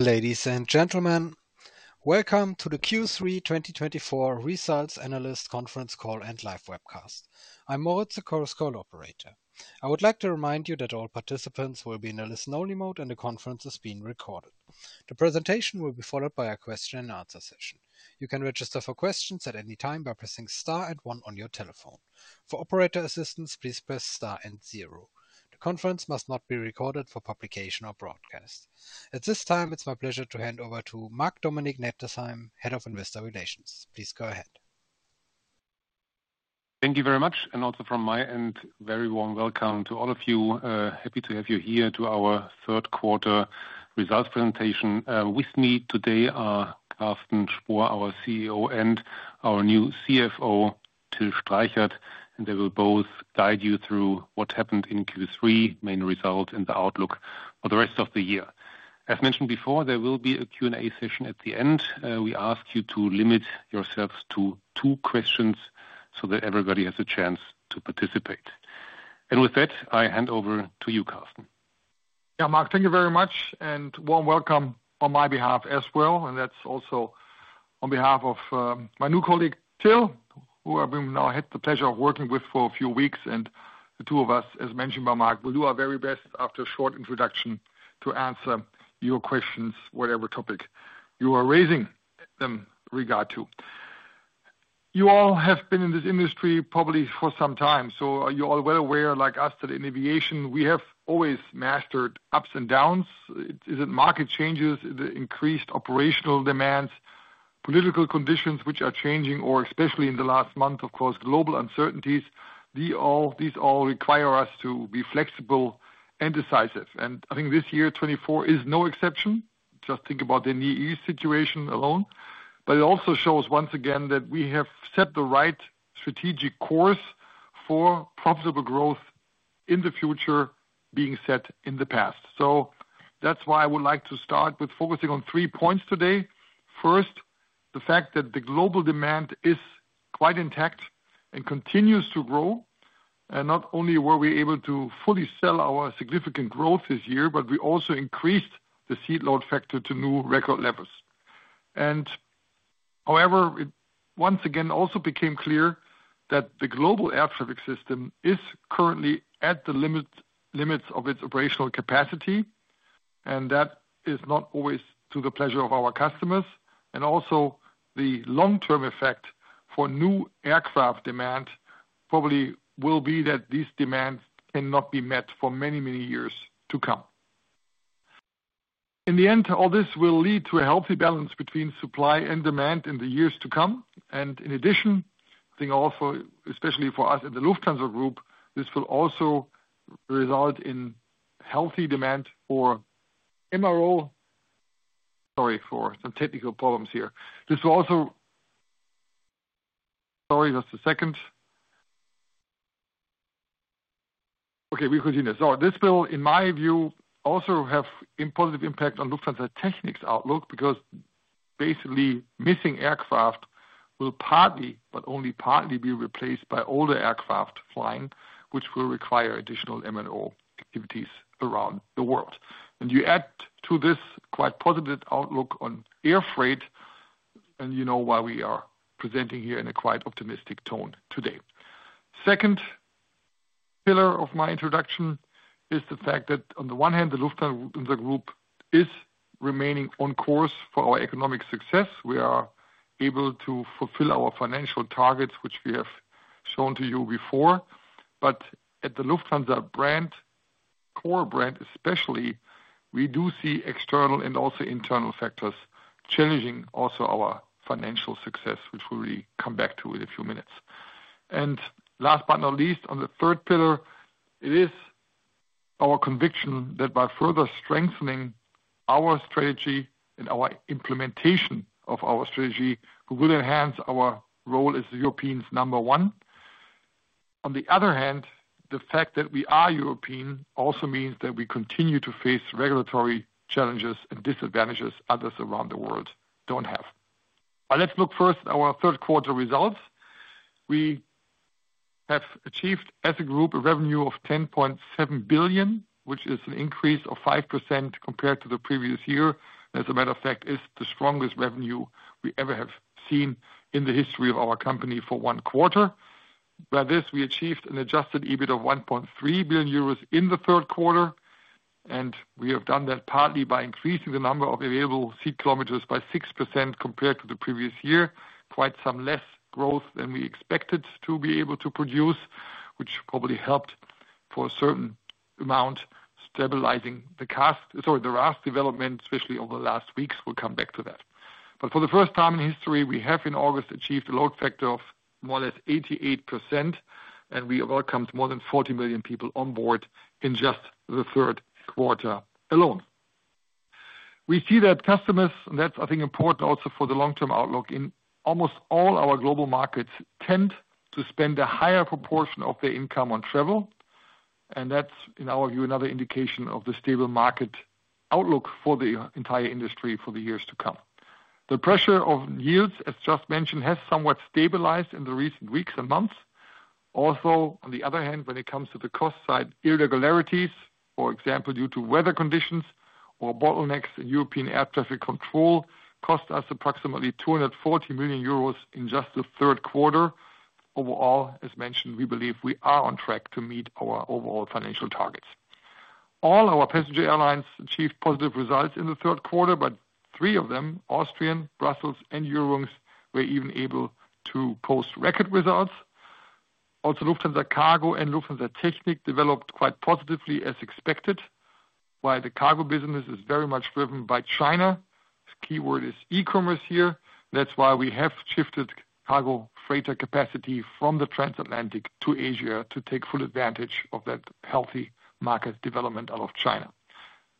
Ladies and gentlemen, welcome to the Q3 2024 Results Analyst Conference Call and live webcast. I'm Moritz, the call operator. I would like to remind you that all participants will be in a listen-only mode, and the conference is being recorded. The presentation will be followed by a question and answer session. You can register for questions at any time by pressing star and one on your telephone. For operator assistance, please press star and zero. The conference must not be recorded for publication or broadcast. At this time, it's my pleasure to hand over to Marc-Dominic Nettesheim, Head of Investor Relations. Please go ahead. Thank you very much, and also from my end, very warm welcome to all of you. Happy to have you here to our third quarter results presentation. With me today are Carsten Spohr, our CEO, and our new CFO, Till Streichert, and they will both guide you through what happened in Q3, main results and the outlook for the rest of the year. As mentioned before, there will be a Q&A session at the end. We ask you to limit yourselves to two questions so that everybody has a chance to participate. And with that, I hand over to you, Carsten. Yeah, Marc, thank you very much, and warm welcome on my behalf as well, and that's also on behalf of my new colleague, Till, who I've now had the pleasure of working with for a few weeks. And the two of us, as mentioned by Marc, will do our very best after a short introduction to answer your questions, whatever topic you are raising them regard to. You all have been in this industry probably for some time, so you are well aware, like us, that in aviation, we have always mastered ups and downs. Is it market changes, the increased operational demands, political conditions which are changing, or especially in the last month, of course, global uncertainties? These all require us to be flexible and decisive. And I think this year, 2024, is no exception. Just think about the Near East situation alone. But it also shows, once again, that we have set the right strategic course for profitable growth in the future being set in the past. So that's why I would like to start with focusing on three points today. First, the fact that the global demand is quite intact and continues to grow, and not only were we able to fully sell our significant growth this year, but we also increased the seat load factor to new record levels. And however, it once again also became clear that the global air traffic system is currently at the limit of its operational capacity, and that is not always to the pleasure of our customers, and also the long-term effect for new aircraft demand probably will be that these demands cannot be met for many, many years to come. In the end, all this will lead to a healthy balance between supply and demand in the years to come, and in addition, I think also, especially for us in the Lufthansa Group, this will also result in healthy demand for MRO. Sorry for some technical problems here. Sorry, just a second. Okay, we continue. So this will, in my view, also have a positive impact on Lufthansa Technik's outlook, because basically, missing aircraft will partly, but only partly, be replaced by older aircraft flying, which will require additional MRO activities around the world. And you add to this quite positive outlook on air freight, and you know why we are presenting here in a quite optimistic tone today. Second pillar of my introduction is the fact that, on the one hand, the Lufthansa Group is remaining on course for our economic success. We are able to fulfill our financial targets, which we have shown to you before. But at the Lufthansa brand, core brand especially, we do see external and also internal factors challenging also our financial success, which we'll come back to in a few minutes. And last but not least, on the third pillar, it is our conviction that by further strengthening our strategy and our implementation of our strategy, we will enhance our role as Europe's number one. On the other hand, the fact that we are European also means that we continue to face regulatory challenges and disadvantages others around the world don't have. But let's look first at our third quarter results. We have achieved, as a group, a revenue of 10.7 billion, which is an increase of 5% compared to the previous year. As a matter of fact, it's the strongest revenue we ever have seen in the history of our company for one quarter. By this, we achieved an adjusted EBIT of 1.3 billion euros in the third quarter, and we have done that partly by increasing the number of available seat kilometers by 6% compared to the previous year. Quite some less growth than we expected to be able to produce, which probably helped for a certain amount, stabilizing the CASK, sorry, the RASK development, especially over the last weeks. We'll come back to that, but for the first time in history, we have in August achieved a load factor of more or less 88%, and we have welcomed more than 40 million people on board in just the third quarter alone. We see that customers, and that's, I think, important also for the long-term outlook in almost all our global markets, tend to spend a higher proportion of their income on travel, and that's, in our view, another indication of the stable market outlook for the entire industry for the years to come. The pressure on yields, as just mentioned, has somewhat stabilized in the recent weeks and months. Also, on the other hand, when it comes to the cost side, irregularities, for example, due to weather conditions or bottlenecks in European air traffic control, cost us approximately 240 million euros in just the third quarter. Overall, as mentioned, we believe we are on track to meet our overall financial targets. All our passenger airlines achieved positive results in the third quarter, but three of them, Austrian, Brussels, and Eurowings, were even able to post record results. Also, Lufthansa Cargo and Lufthansa Technik developed quite positively as expected, while the cargo business is very much driven by China. The keyword is e-commerce here. That's why we have shifted cargo freighter capacity from the transatlantic to Asia to take full advantage of that healthy market development out of China.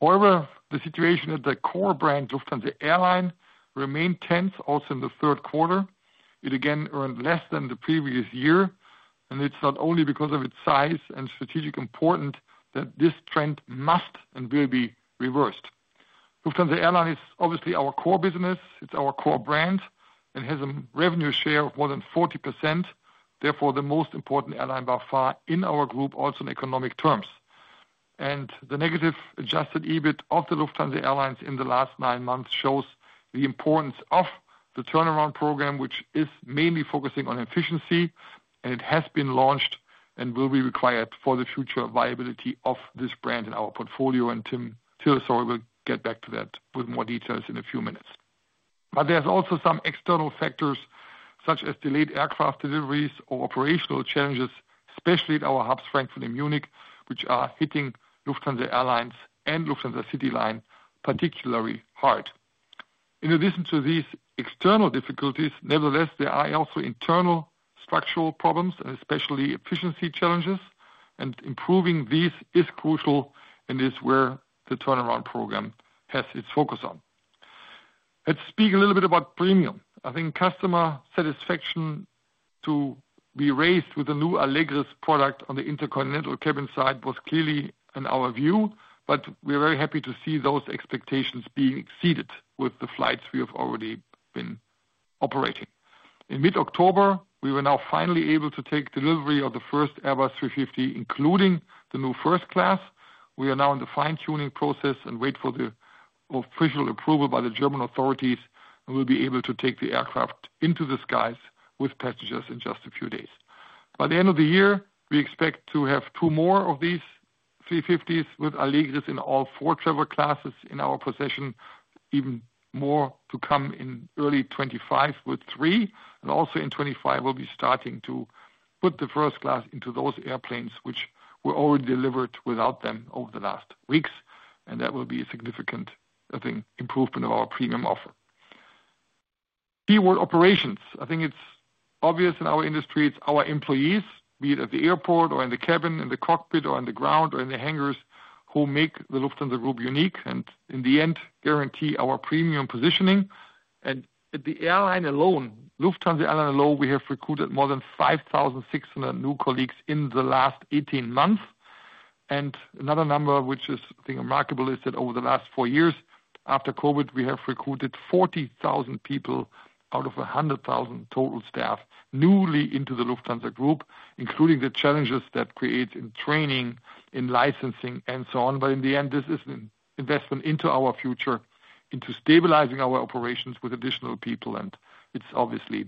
However, the situation at the core brand, Lufthansa Airlines, remained tense also in the third quarter. It again earned less than the previous year, and it's not only because of its size and strategic importance that this trend must and will be reversed. Lufthansa Airlines is obviously our core business. It's our core brand and has a revenue share of more than 40%, therefore, the most important airline by far in our group, also in economic terms. The negative Adjusted EBIT of the Lufthansa Airlines in the last nine months shows the importance of the turnaround program, which is mainly focusing on efficiency, and it has been launched and will be required for the future viability of this brand in our portfolio. Till Streichert will get back to that with more details in a few minutes. But there's also some external factors, such as delayed aircraft deliveries or operational challenges, especially at our hubs, Frankfurt and Munich, which are hitting Lufthansa Airlines and Lufthansa CityLine particularly hard. In addition to these external difficulties, nevertheless, there are also internal structural problems and especially efficiency challenges, and improving these is crucial and is where the turnaround program has its focus on. Let's speak a little bit about premium. I think customer satisfaction to be raised with the new Allegris product on the intercontinental cabin side was clearly in our view, but we are very happy to see those expectations being exceeded with the flights we have already been operating. In mid-October, we were now finally able to take delivery of the first Airbus A350, including the new first class. We are now in the fine-tuning process and wait for the official approval by the German authorities, and we'll be able to take the aircraft into the skies with passengers in just a few days. By the end of the year, we expect to have two more of these A350s with Allegris in all four travel classes in our possession, even more to come in early 2025 with three, and also in 2025, we'll be starting to put the first class into those airplanes, which were already delivered without them over the last weeks. That will be a significant, I think, improvement of our premium offer. Keyword operations. I think it's obvious in our industry, it's our employees, be it at the airport or in the cabin, in the cockpit, or on the ground or in the hangars, who make the Lufthansa Group unique, and in the end, guarantee our premium positioning. At the airline alone, Lufthansa Airlines alone, we have recruited more than five thousand six hundred new colleagues in the last eighteen months. Another number, which is, I think, remarkable, is that over the last four years after COVID, we have recruited 40,000 people out of 100,000 total staff newly into the Lufthansa Group, including the challenges that creates in training, in licensing, and so on. But in the end, this is an investment into our future, into stabilizing our operations with additional people, and it's obviously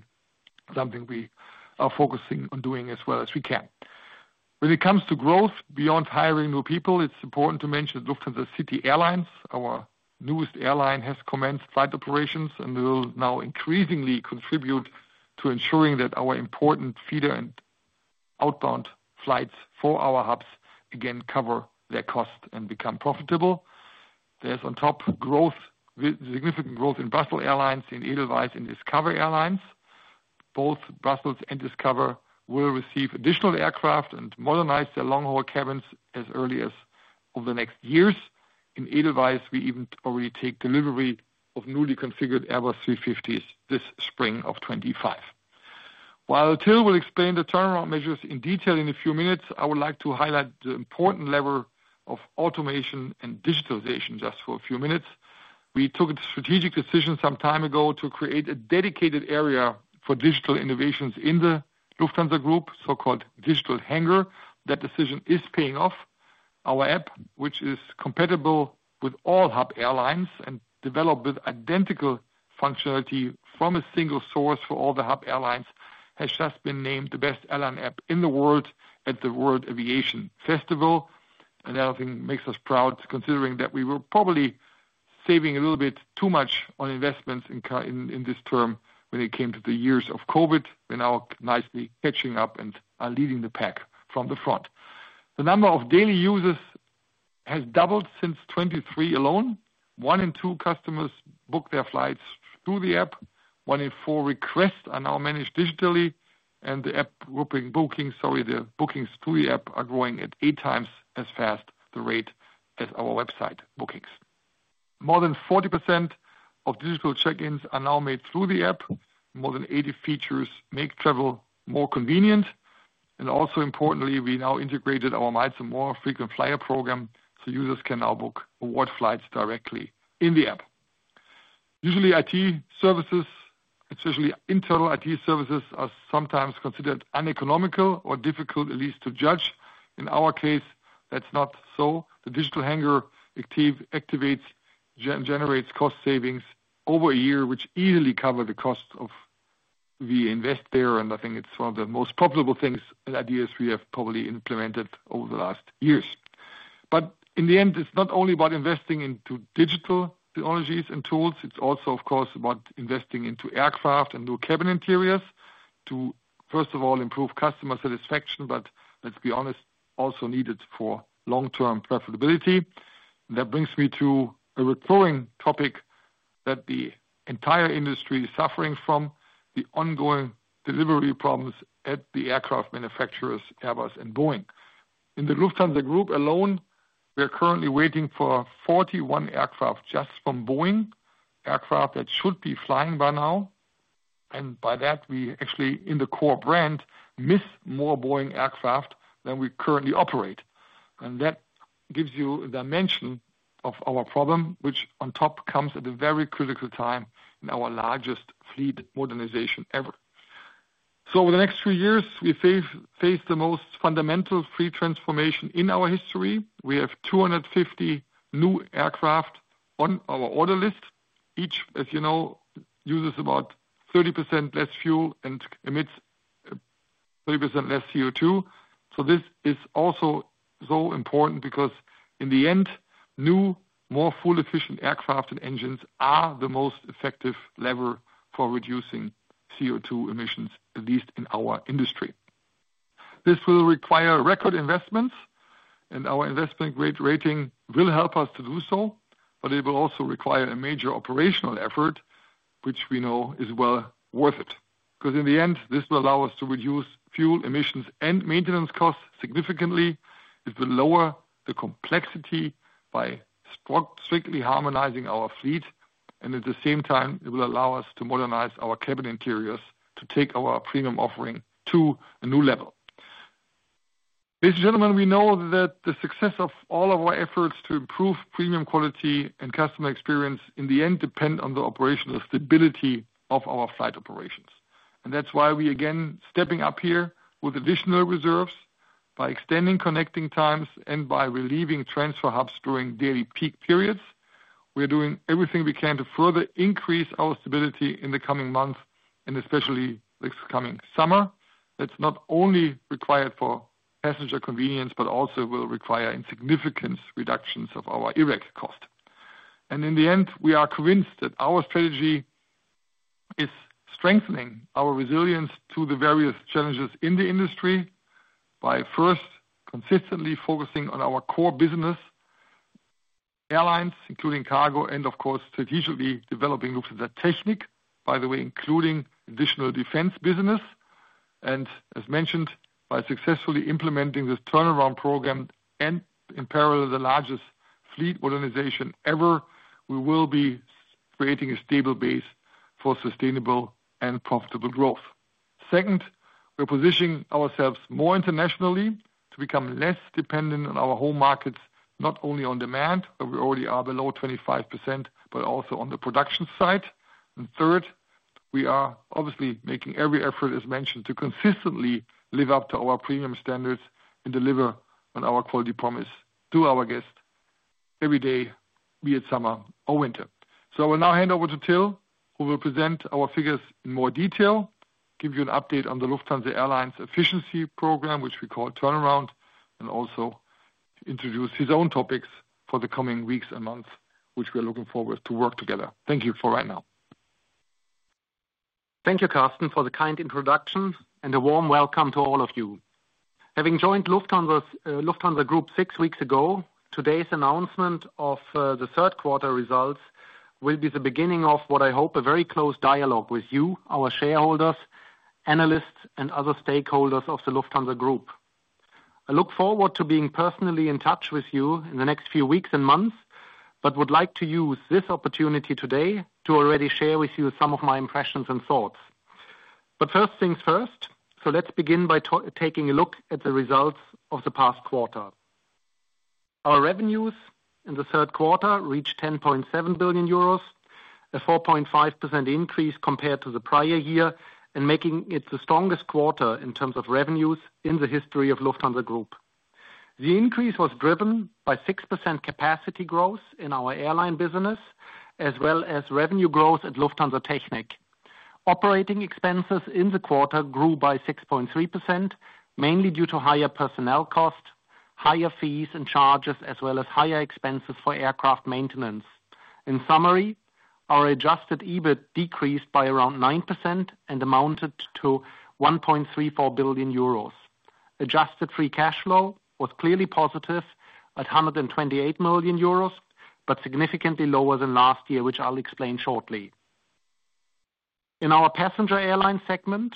something we are focusing on doing as well as we can. When it comes to growth, beyond hiring new people, it's important to mention Lufthansa City Airlines. Our newest airline has commenced flight operations and will now increasingly contribute to ensuring that our important feeder and outbound flights for our hubs, again, cover their costs and become profitable. There's on top growth, significant growth in Brussels Airlines, in Edelweiss, and Discover Airlines. Both Brussels and Discover will receive additional aircraft and modernize their long-haul cabins as early as over the next years. In Edelweiss, we even already take delivery of newly configured Airbus A350s this spring of 2025. While Till will explain the turnaround measures in detail in a few minutes, I would like to highlight the important level of automation and digitalization just for a few minutes. We took a strategic decision some time ago to create a dedicated area for digital innovations in the Lufthansa Group, so-called Digital Hangar. That decision is paying off. Our app, which is compatible with all hub airlines and developed with identical functionality from a single source for all the hub airlines, has just been named the best airline app in the world at the World Aviation Festival. That, I think, makes us proud, considering that we were probably saving a little bit too much on investments in this term when it came to the years of COVID. We're now nicely catching up and are leading the pack from the front. The number of daily users has doubled since 2023 alone. One in two customers book their flights through the app. One in four requests are now managed digitally, and the app booking, booking, sorry, the bookings through the app are growing at eight times as fast the rate as our website bookings. More than 40% of digital check-ins are now made through the app. More than 80 features make travel more convenient, and also importantly, we now integrated our Miles & More frequent flyer program, so users can now book award flights directly in the app. Usually IT services, especially internal IT services, are sometimes considered uneconomical or difficult, at least to judge. In our case, that's not so. The Digital Hangar activates, generates cost savings over a year, which easily cover the cost of we invest there, and I think it's one of the most profitable things and ideas we have probably implemented over the last years. But in the end, it's not only about investing into digital technologies and tools, it's also, of course, about investing into aircraft and new cabin interiors to, first of all, improve customer satisfaction, but let's be honest, also needed for long-term profitability. That brings me to a recurring topic that the entire industry is suffering from, the ongoing delivery problems at the aircraft manufacturers, Airbus and Boeing. In the Lufthansa Group alone, we are currently waiting for 41 aircraft just from Boeing, aircraft that should be flying by now, and by that, we actually, in the core brand, miss more Boeing aircraft than we currently operate, and that gives you a dimension of our problem, which on top comes at a very critical time in our largest fleet modernization ever, so over the next few years, we face the most fundamental fleet transformation in our history. We have 250 new aircraft on our order list. Each, as you know, uses about 30% less fuel and emits 30% less CO₂. So this is also so important because in the end, new, more fuel-efficient aircraft and engines are the most effective lever for reducing CO₂ emissions, at least in our industry. This will require record investments, and our investment grade rating will help us to do so, but it will also require a major operational effort, which we know is well worth it, because in the end, this will allow us to reduce fuel emissions and maintenance costs significantly. It will lower the complexity by strictly harmonizing our fleet, and at the same time, it will allow us to modernize our cabin interiors to take our premium offering to a new level. Ladies and gentlemen, we know that the success of all of our efforts to improve premium quality and customer experience in the end depend on the operational stability of our flight operations. And that's why we again, stepping up here with additional reserves by extending connecting times and by relieving transfer hubs during daily peak periods. We're doing everything we can to further increase our stability in the coming months and especially this coming summer. That's not only required for passenger convenience, but also will require significant reductions of our irreg costs. And in the end, we are convinced that our strategy is strengthening our resilience to the various challenges in the industry by first, consistently focusing on our core business airlines, including cargo, and of course, strategically developing Lufthansa Technik, by the way, including additional defense business. And as mentioned, by successfully implementing this turnaround program and in parallel, the largest fleet organization ever, we will be creating a stable base for sustainable and profitable growth. Second, we're positioning ourselves more internationally to become less dependent on our home markets, not only on demand, but we already are below 25%, but also on the production side. And third, we are obviously making every effort, as mentioned, to consistently live up to our premium standards and deliver on our quality promise to our guests every day, be it summer or winter. So I will now hand over to Till, who will present our figures in more detail, give you an update on the Lufthansa Airlines efficiency program, which we call Turnaround, and also introduce his own topics for the coming weeks and months, which we are looking forward to work together. Thank you for right now. Thank you, Carsten, for the kind introduction and a warm welcome to all of you. Having joined Lufthansa Group six weeks ago, today's announcement of the third quarter results will be the beginning of what I hope a very close dialogue with you, our shareholders, analysts, and other stakeholders of the Lufthansa Group. I look forward to being personally in touch with you in the next few weeks and months, but would like to use this opportunity today to already share with you some of my impressions and thoughts. But first things first, so let's begin by taking a look at the results of the past quarter. Our revenues in the third quarter reached 10.7 billion euros, a 4.5% increase compared to the prior year, and making it the strongest quarter in terms of revenues in the history of Lufthansa Group. The increase was driven by 6% capacity growth in our airline business, as well as revenue growth at Lufthansa Technik. Operating expenses in the quarter grew by 6.3%, mainly due to higher personnel costs, higher fees and charges, as well as higher expenses for aircraft maintenance. In summary, our Adjusted EBIT decreased by around 9% and amounted to 1.34 billion euros. Adjusted Free Cash Flow was clearly positive at 128 million euros, but significantly lower than last year, which I'll explain shortly. In our passenger airline segment,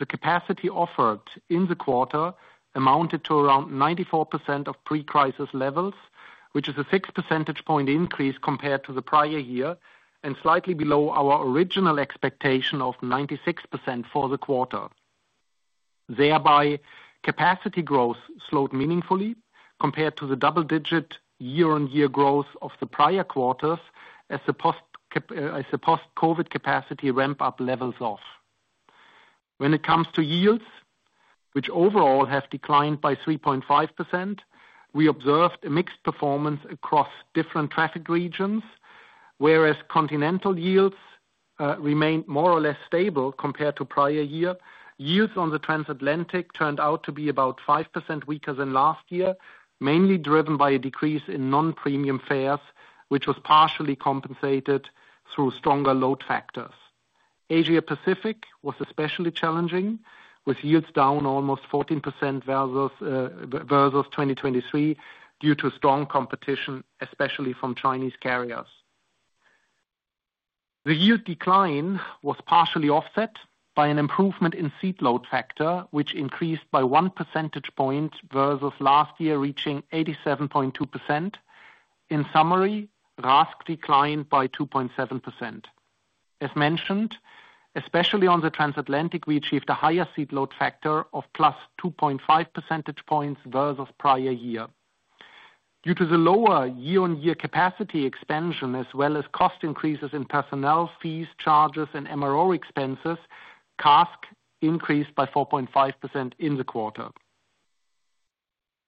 the capacity offered in the quarter amounted to around 94% of pre-crisis levels, which is a six percentage point increase compared to the prior year, and slightly below our original expectation of 96% for the quarter. Thereby, capacity growth slowed meaningfully compared to the double digit year-on-year growth of the prior quarters, as the post-COVID capacity ramp up levels off. When it comes to yields, which overall have declined by 3.5%, we observed a mixed performance across different traffic regions, whereas continental yields remained more or less stable compared to prior year. Yields on the transatlantic turned out to be about 5% weaker than last year, mainly driven by a decrease in non-premium fares, which was partially compensated through stronger load factors. Asia Pacific was especially challenging, with yields down almost 14% versus 2023, due to strong competition, especially from Chinese carriers. The yield decline was partially offset by an improvement in seat load factor, which increased by one percentage point versus last year, reaching 87.2%. In summary, RASK declined by 2.7%. As mentioned, especially on the transatlantic, we achieved a higher seat load factor of plus 2.5 percentage points versus prior year. Due to the lower year-on-year capacity expansion, as well as cost increases in personnel fees, charges, and MRO expenses, CASK increased by 4.5% in the quarter.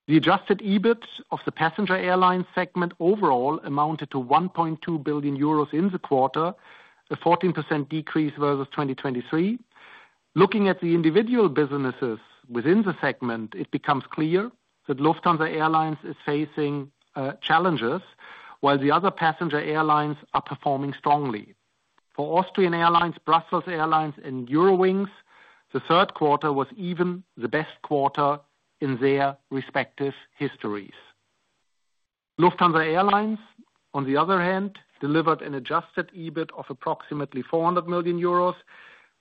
The adjusted EBIT of the passenger airline segment overall amounted to 1.2 billion euros in the quarter, a 14% decrease versus 2023. Looking at the individual businesses within the segment, it becomes clear that Lufthansa Airlines is facing challenges, while the other passenger airlines are performing strongly. For Austrian Airlines, Brussels Airlines, and Eurowings, the third quarter was even the best quarter in their respective histories. Lufthansa Airlines, on the other hand, delivered an adjusted EBIT of approximately 400 million euros,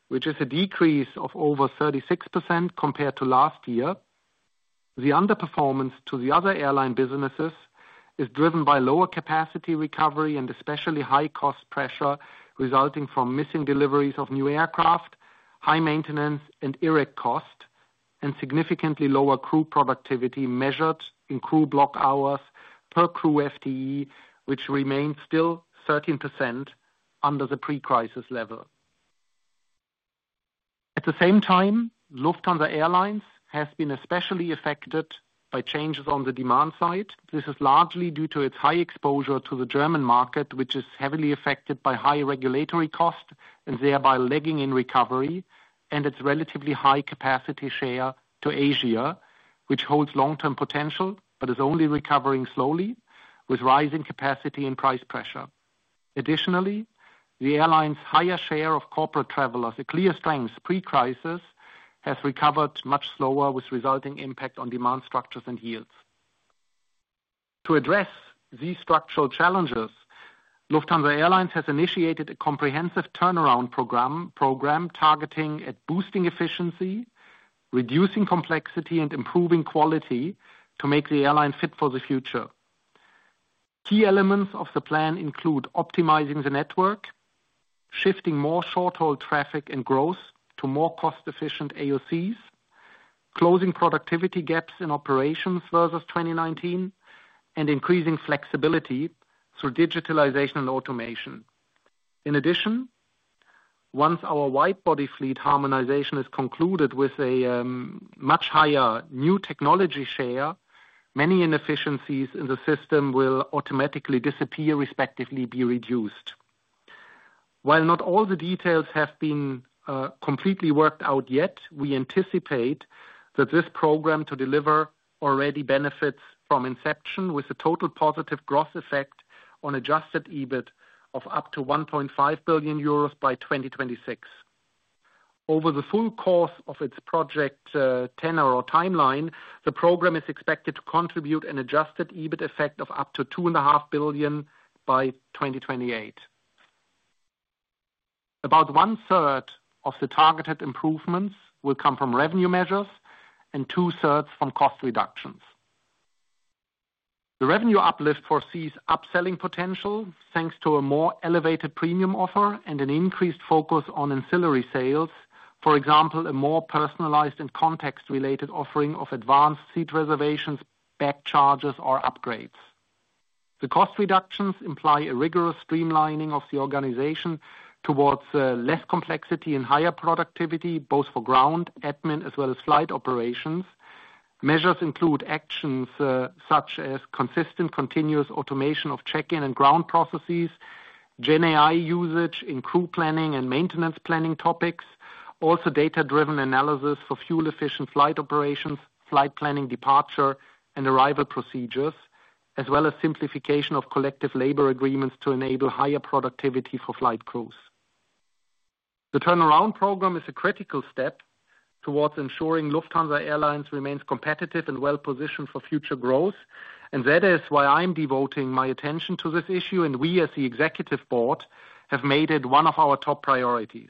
which is a decrease of over 36% compared to last year. The underperformance to the other airline businesses is driven by lower capacity recovery and especially high cost pressure, resulting from missing deliveries of new aircraft, high maintenance and irreg cost, and significantly lower crew productivity measured in crew block hours per crew FTE, which remains still 13% under the pre-crisis level. At the same time, Lufthansa Airlines has been especially affected by changes on the demand side. This is largely due to its high exposure to the German market, which is heavily affected by high regulatory costs and thereby lagging in recovery, and its relatively high capacity share to Asia, which holds long-term potential, but is only recovering slowly, with rising capacity and price pressure. Additionally, the airline's higher share of corporate travelers, a clear strength pre-crisis, has recovered much slower, with resulting impact on demand structures and yields. To address these structural challenges, Lufthansa Airlines has initiated a comprehensive turnaround program targeting at boosting efficiency, reducing complexity, and improving quality to make the airline fit for the future. Key elements of the plan include: optimizing the network, shifting more short-haul traffic and growth to more cost-efficient AOCs, closing productivity gaps in operations versus 2019, and increasing flexibility through digitalization and automation. In addition, once our wide-body fleet harmonization is concluded with a much higher new technology share, many inefficiencies in the system will automatically disappear, respectively, be reduced. While not all the details have been completely worked out yet, we anticipate that this program to deliver already benefits from inception, with a total positive gross effect on adjusted EBIT of up to 1.5 billion euros by 2026. Over the full course of its project tenure or timeline, the program is expected to contribute an adjusted EBIT effect of up to 2.5 billion by 2028. About one-third of the targeted improvements will come from revenue measures and two-thirds from cost reductions. The revenue uplift foresees upselling potential, thanks to a more elevated premium offer and an increased focus on ancillary sales. For example, a more personalized and context-related offering of advanced seat reservations, bag charges, or upgrades. The cost reductions imply a rigorous streamlining of the organization towards less complexity and higher productivity, both for ground, admin, as well as flight operations. Measures include actions such as consistent, continuous automation of check-in and ground processes, GenAI usage in crew planning and maintenance planning topics, also data-driven analysis for fuel-efficient flight operations, flight planning, departure and arrival procedures, as well as simplification of collective labor agreements to enable higher productivity for flight crews. The turnaround program is a critical step towards ensuring Lufthansa Airlines remains competitive and well-positioned for future growth, and that is why I'm devoting my attention to this issue, and we, as the executive board, have made it one of our top priorities.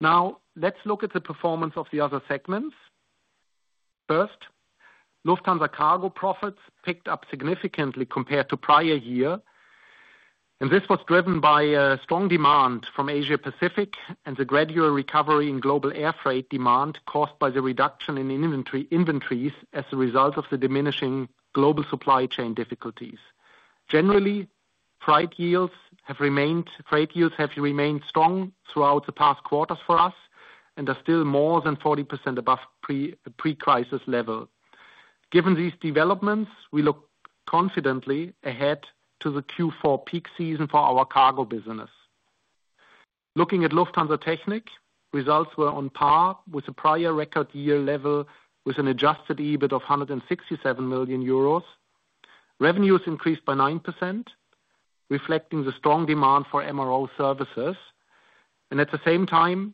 Now, let's look at the performance of the other segments. First, Lufthansa Cargo profits picked up significantly compared to prior year, and this was driven by strong demand from Asia Pacific and the gradual recovery in global air freight demand caused by the reduction in inventories as a result of the diminishing global supply chain difficulties. Generally, freight yields have remained strong throughout the past quarters for us and are still more than 40% above pre-crisis level. Given these developments, we look confidently ahead to the Q4 peak season for our cargo business. Looking at Lufthansa Technik, results were on par with the prior record year level, with an adjusted EBIT of 167 million euros. Revenues increased by 9%, reflecting the strong demand for MRO services, and at the same time,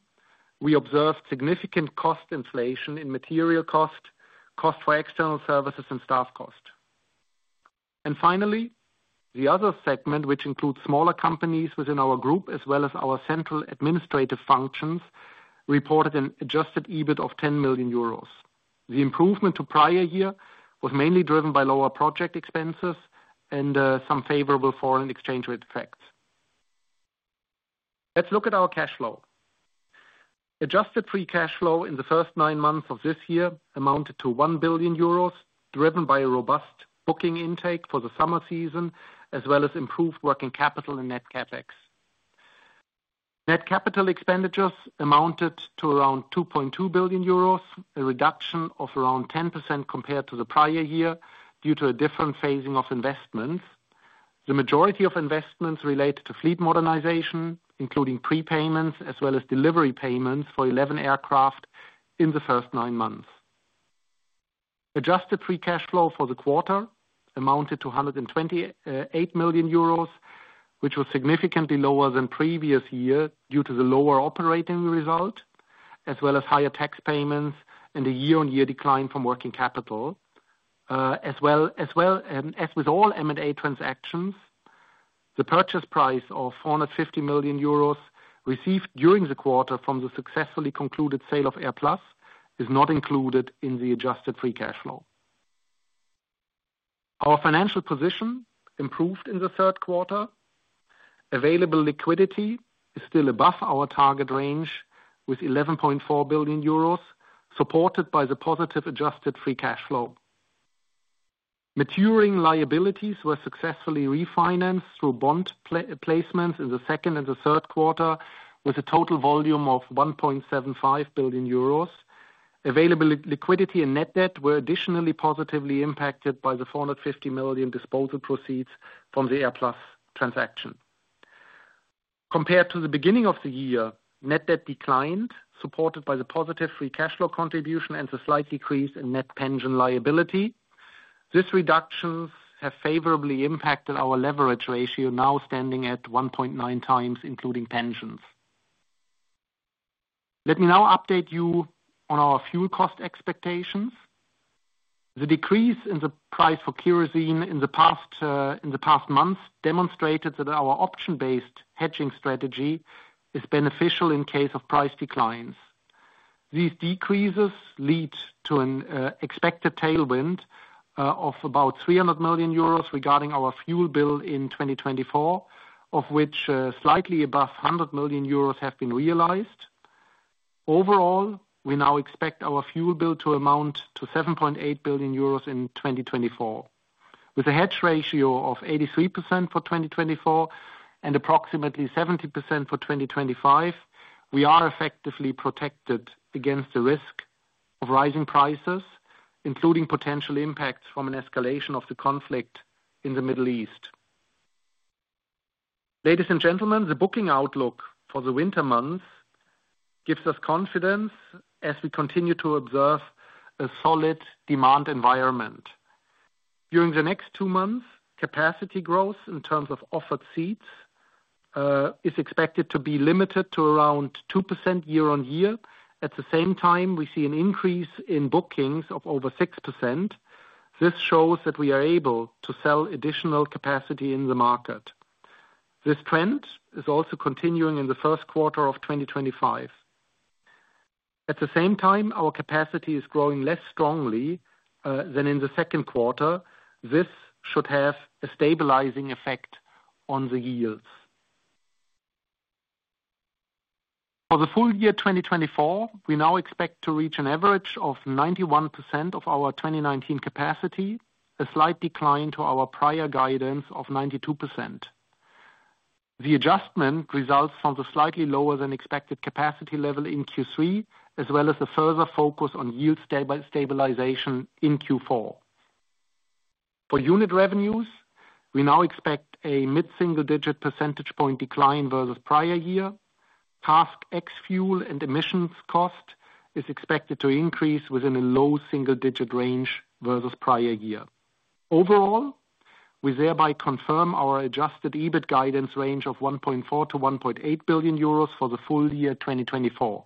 we observed significant cost inflation in material cost, cost for external services and staff cost. Finally, the other segment, which includes smaller companies within our group, as well as our central administrative functions, reported an adjusted EBIT of 10 million euros. The improvement to prior year was mainly driven by lower project expenses and some favorable foreign exchange rate effects. Let's look at our cash flow. Adjusted free cash flow in the first nine months of this year amounted to 1 billion euros, driven by a robust booking intake for the summer season, as well as improved working capital and net CapEx. Net capital expenditures amounted to around 2.2 billion euros, a reduction of around 10% compared to the prior year, due to a different phasing of investments. The majority of investments related to fleet modernization, including prepayments, as well as delivery payments for 11 aircraft in the first nine months. Adjusted free cash flow for the quarter amounted to 128 million euros, which was significantly lower than previous year due to the lower operating result, as well as higher tax payments and a year-on-year decline from working capital. And as with all M&A transactions, the purchase price of 450 million euros received during the quarter from the successfully concluded sale of AirPlus is not included in the adjusted free cash flow. Our financial position improved in the third quarter. Available liquidity is still above our target range, with 11.4 billion euros, supported by the positive adjusted free cash flow. Maturing liabilities were successfully refinanced through bond placements in the second and the third quarter, with a total volume of 1.75 billion euros. Available liquidity and net debt were additionally positively impacted by the 450 million disposal proceeds from the AirPlus transaction. Compared to the beginning of the year, net debt declined, supported by the positive free cash flow contribution and a slight decrease in net pension liability. These reductions have favorably impacted our leverage ratio, now standing at 1.9 times, including pensions. Let me now update you on our fuel cost expectations. The decrease in the price for kerosene in the past months demonstrated that our option-based hedging strategy is beneficial in case of price declines. These decreases lead to an expected tailwind of about 300 million euros regarding our fuel bill in 2024, of which slightly above 100 million euros have been realized. Overall, we now expect our fuel bill to amount to 7.8 billion euros in 2024, with a hedge ratio of 83% for 2024 and approximately 70% for 2025. We are effectively protected against the risk of rising prices, including potential impacts from an escalation of the conflict in the Middle East. Ladies and gentlemen, the booking outlook for the winter months gives us confidence as we continue to observe a solid demand environment. During the next two months, capacity growth in terms of offered seats is expected to be limited to around 2% year on year. At the same time, we see an increase in bookings of over 6%. This shows that we are able to sell additional capacity in the market. This trend is also continuing in the first quarter of 2025. At the same time, our capacity is growing less strongly than in the second quarter. This should have a stabilizing effect on the yields. For the full year 2024, we now expect to reach an average of 91% of our 2019 capacity, a slight decline to our prior guidance of 92%. The adjustment results from the slightly lower than expected capacity level in Q3, as well as a further focus on yield stabilization in Q4. For unit revenues, we now expect a mid-single-digit percentage point decline versus prior year. CASK ex fuel and emissions cost is expected to increase within a low single digit range versus prior year. Overall, we thereby confirm our adjusted EBIT guidance range of 1.4-1.8 billion euros for the full year 2024.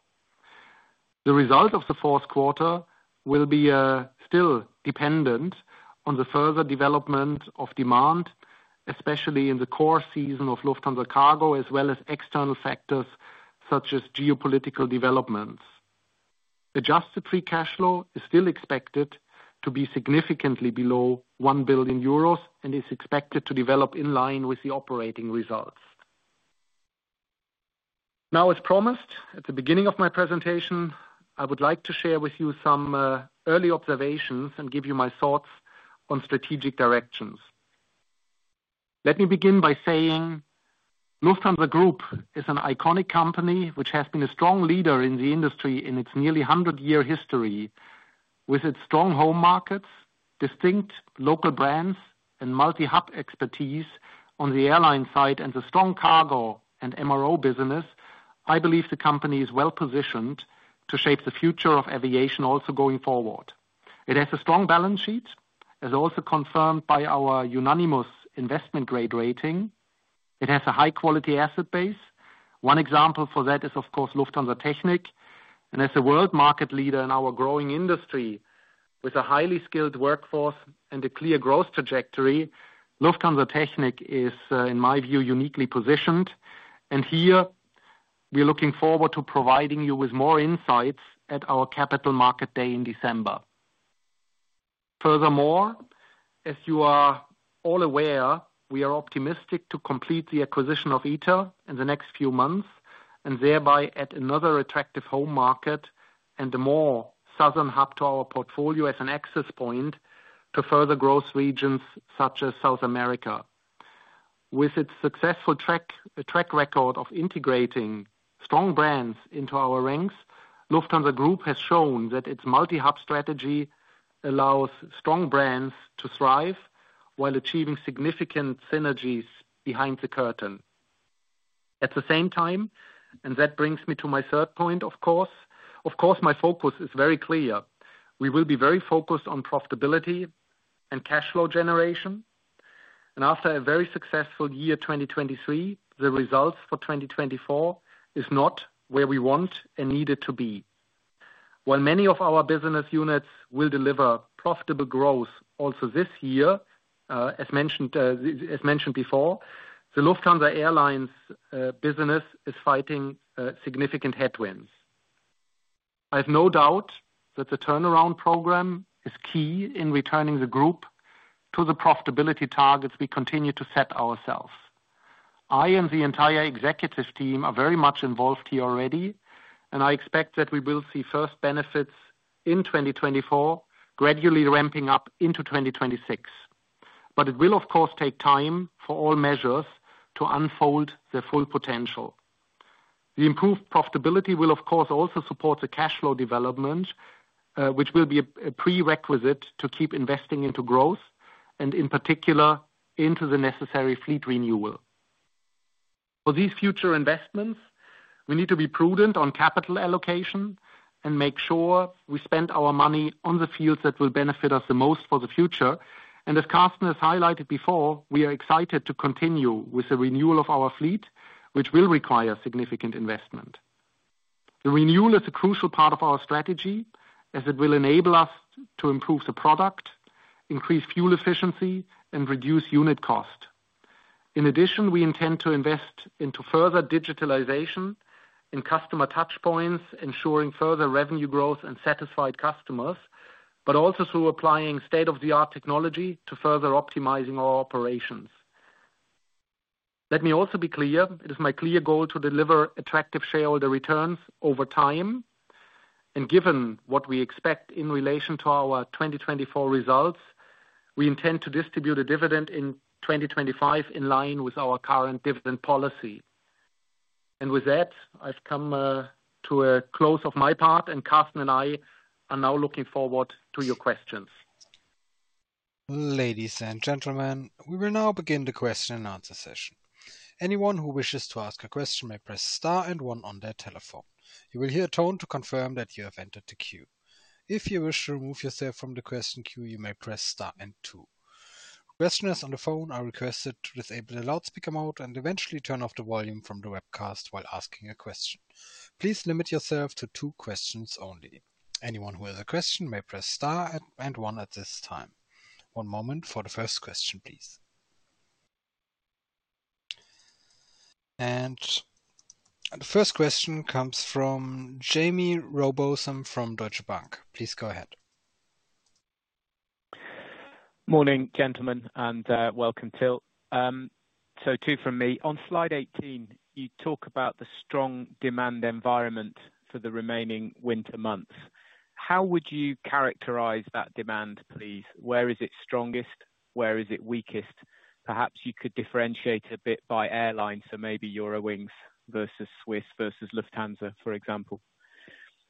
The result of the fourth quarter will be still dependent on the further development of demand, especially in the core season of Lufthansa Cargo, as well as external factors, such as geopolitical developments. Adjusted Free Cash Flow is still expected to be significantly below 1 billion euros and is expected to develop in line with the operating results. Now, as promised, at the beginning of my presentation, I would like to share with you some early observations and give you my thoughts on strategic directions. Let me begin by saying, Lufthansa Group is an iconic company, which has been a strong leader in the industry in its nearly 100-year history. With its strong home markets, distinct local brands, and multi-hub expertise on the airline side, and the strong cargo and MRO business, I believe the company is well-positioned to shape the future of aviation also going forward. It has a strong balance sheet, as also confirmed by our unanimous investment grade rating. It has a high-quality asset base. One example for that is, of course, Lufthansa Technik, and as a world market leader in our growing industry, with a highly skilled workforce and a clear growth trajectory, Lufthansa Technik is, in my view, uniquely positioned, and here we are looking forward to providing you with more insights at our capital market day in December. Furthermore, as you are all aware, we are optimistic to complete the acquisition of ITA in the next few months, and thereby add another attractive home market and a more southern hub to our portfolio as an access point to further growth regions such as South America. With its successful track record of integrating strong brands into our ranks, Lufthansa Group has shown that its multi-hub strategy allows strong brands to thrive while achieving significant synergies behind the curtain. At the same time, and that brings me to my third point, of course, my focus is very clear. We will be very focused on profitability and cash flow generation, and after a very successful year, 2023, the results for 2024 is not where we want and need it to be. While many of our business units will deliver profitable growth also this year, as mentioned before, the Lufthansa Airlines business is fighting significant headwinds. I have no doubt that the turnaround program is key in returning the group to the profitability targets we continue to set ourselves. I and the entire executive team are very much involved here already, and I expect that we will see first benefits in 2024, gradually ramping up into 2026. But it will, of course, take time for all measures to unfold their full potential. The improved profitability will, of course, also support the cash flow development, which will be a prerequisite to keep investing into growth and in particular, into the necessary fleet renewal. For these future investments, we need to be prudent on capital allocation and make sure we spend our money on the fields that will benefit us the most for the future. And as Carsten has highlighted before, we are excited to continue with the renewal of our fleet, which will require significant investment. The renewal is a crucial part of our strategy, as it will enable us to improve the product, increase fuel efficiency, and reduce unit cost. In addition, we intend to invest into further digitalization in customer touchpoints, ensuring further revenue growth and satisfied customers, but also through applying state-of-the-art technology to further optimizing our operations. Let me also be clear, it is my clear goal to deliver attractive shareholder returns over time, and given what we expect in relation to our 2024 results, we intend to distribute a dividend in 2025, in line with our current dividend policy. And with that, I've come to a close of my part, and Carsten and I are now looking forward to your questions. Ladies and gentlemen, we will now begin the question and answer session. Anyone who wishes to ask a question may press star and one on their telephone. You will hear a tone to confirm that you have entered the queue. If you wish to remove yourself from the question queue, you may press star and two. Questioners on the phone are requested to disable the loudspeaker mode and eventually turn off the volume from the webcast while asking a question. Please limit yourself to two questions only. Anyone who has a question may press star and one at this time. One moment for the first question, please. And the first question comes from Jamie Rowbotham from Deutsche Bank. Please go ahead. Morning, gentlemen, and welcome, Till. So two from me. On slide 18, you talk about the strong demand environment for the remaining winter months. How would you characterize that demand, please? Where is it strongest? Where is it weakest? Perhaps you could differentiate a bit by airline, so maybe Eurowings versus Swiss versus Lufthansa, for example.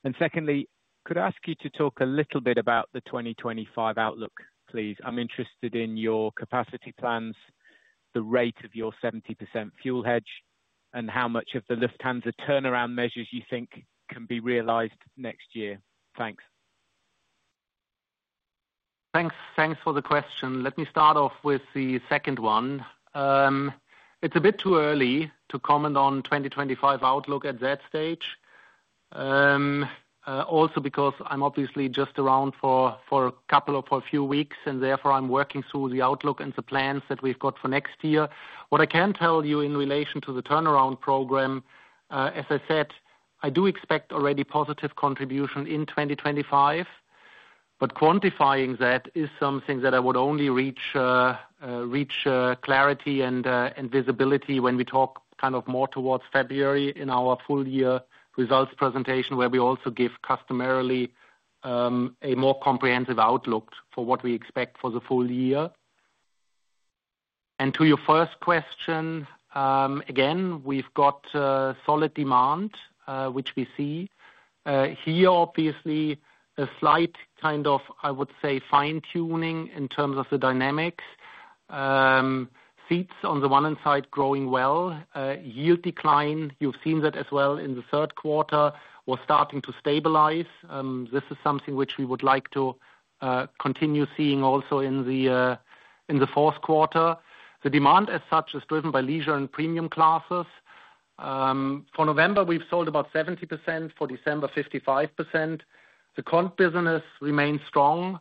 And secondly, could I ask you to talk a little bit about the twenty twenty-five outlook, please? I'm interested in your capacity plans, the rate of your 70% fuel hedge, and how much of the Lufthansa turnaround measures you think can be realized next year. Thanks. Thanks. Thanks for the question. Let me start off with the second one. It's a bit too early to comment on twenty twenty-five outlook at that stage. Also because I'm obviously just around for a few weeks, and therefore, I'm working through the outlook and the plans that we've got for next year. What I can tell you in relation to the turnaround program, as I said, I do expect already positive contribution in twenty twenty-five, but quantifying that is something that I would only reach clarity and visibility when we talk kind of more towards February in our full year results presentation, where we also give customarily a more comprehensive outlook for what we expect for the full year. To your first question, again, we've got solid demand, which we see. Here, obviously, a slight, kind of, I would say, fine-tuning in terms of the dynamics. Seats on the one hand side growing well, yield decline, you've seen that as well in the third quarter, was starting to stabilize. This is something which we would like to continue seeing also in the fourth quarter. The demand, as such, is driven by leisure and premium classes. For November, we've sold about 70%, for December, 55%. The continental business remains strong.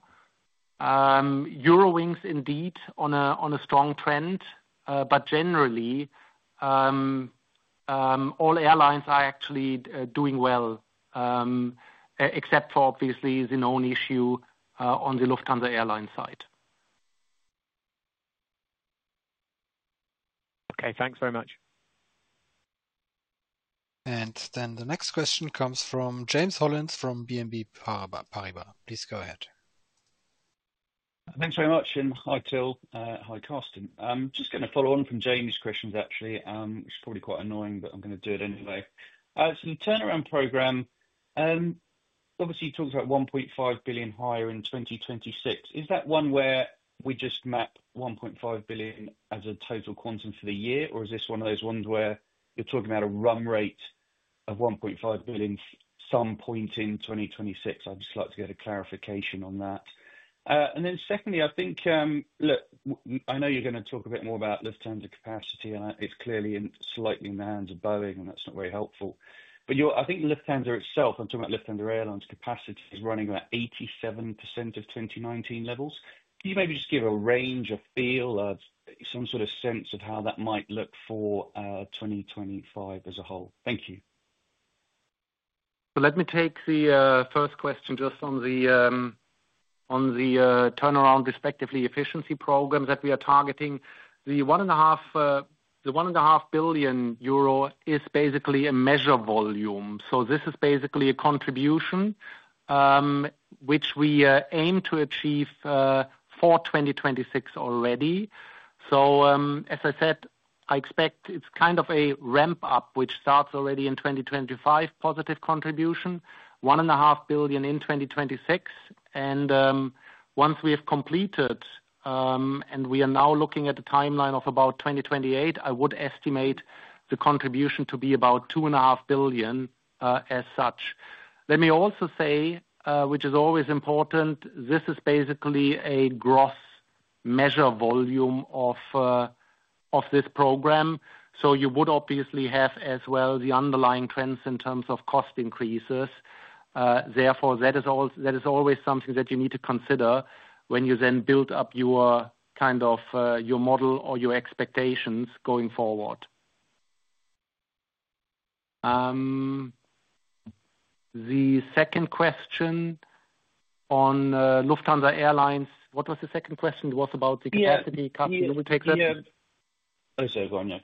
Eurowings indeed on a strong trend, but generally, all airlines are actually doing well, except for obviously the known issue on the Lufthansa airline side. Okay, thanks very much. And then the next question comes from James Hollins from BNP Paribas. Please go ahead. Thanks very much, and hi, Till, hi, Carsten. I'm just going to follow on from Jamie's questions, actually, which is probably quite annoying, but I'm going to do it anyway. So the turnaround program, obviously, you talked about 1.5 billion higher in 2026. Is that one where we just map 1.5 billion as a total quantum for the year? Or is this one of those ones where you're talking about a run rate of 1.5 billion some point in 2026? I'd just like to get a clarification on that. And then secondly, I think, look, I know you're going to talk a bit more about Lufthansa capacity, and it's clearly slightly in the hands of Boeing, and that's not very helpful. But you're. I think Lufthansa itself, I'm talking about Lufthansa Airlines capacity, is running about 87% of 2019 levels. Can you maybe just give a range, a feel, some sort of sense of how that might look for 2025 as a whole? Thank you. Let me take the first question just on the turnaround, respectively, efficiency program that we are targeting. The 1.5 billion euro is basically a measure volume. This is basically a contribution which we aim to achieve for 2026 already. As I said, I expect it's kind of a ramp-up, which starts already in 2025, positive contribution, 1.5 billion EUR in 2026. Once we have completed and we are now looking at a timeline of about 2028, I would estimate the contribution to be about 2.5 billion EUR as such. Let me also say, which is always important, this is basically a gross measure volume of this program, so you would obviously have as well the underlying trends in terms of cost increases. Therefore, that is always something that you need to consider when you then build up your kind of, your model or your expectations going forward. The second question on Lufthansa Airlines. What was the second question? It was about the capacity. You will take that? I'll take one, yeah.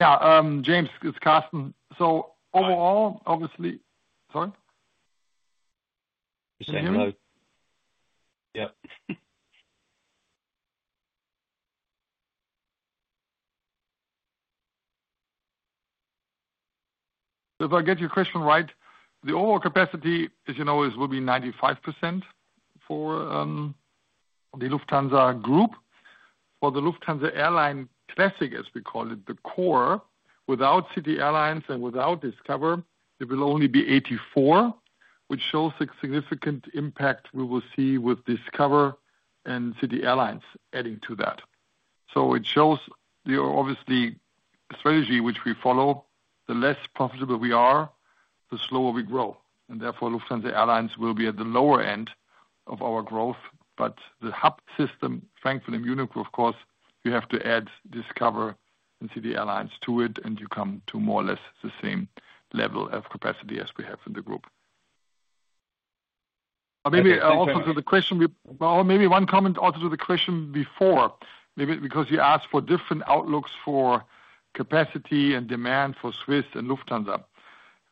Yeah, James, it's Carsten. So overall, obviously... Sorry? Yeah. If I get your question right, the overall capacity, as you know, is, will be 95% for the Lufthansa Group. For the Lufthansa Airlines Classic, as we call it, the core, without City Airlines and without Discover, it will only be 84%, which shows the significant impact we will see with Discover and City Airlines adding to that. So it shows the obviously strategy which we follow. The less profitable we are, the slower we grow, and therefore Lufthansa Airlines will be at the lower end of our growth. But the hub system, frankly, in Munich, of course, you have to add Discover and City Airlines to it, and you come to more or less the same level of capacity as we have in the group. Maybe also to the question, well, maybe one comment also to the question before, maybe because you asked for different outlooks for capacity and demand for Swiss and Lufthansa.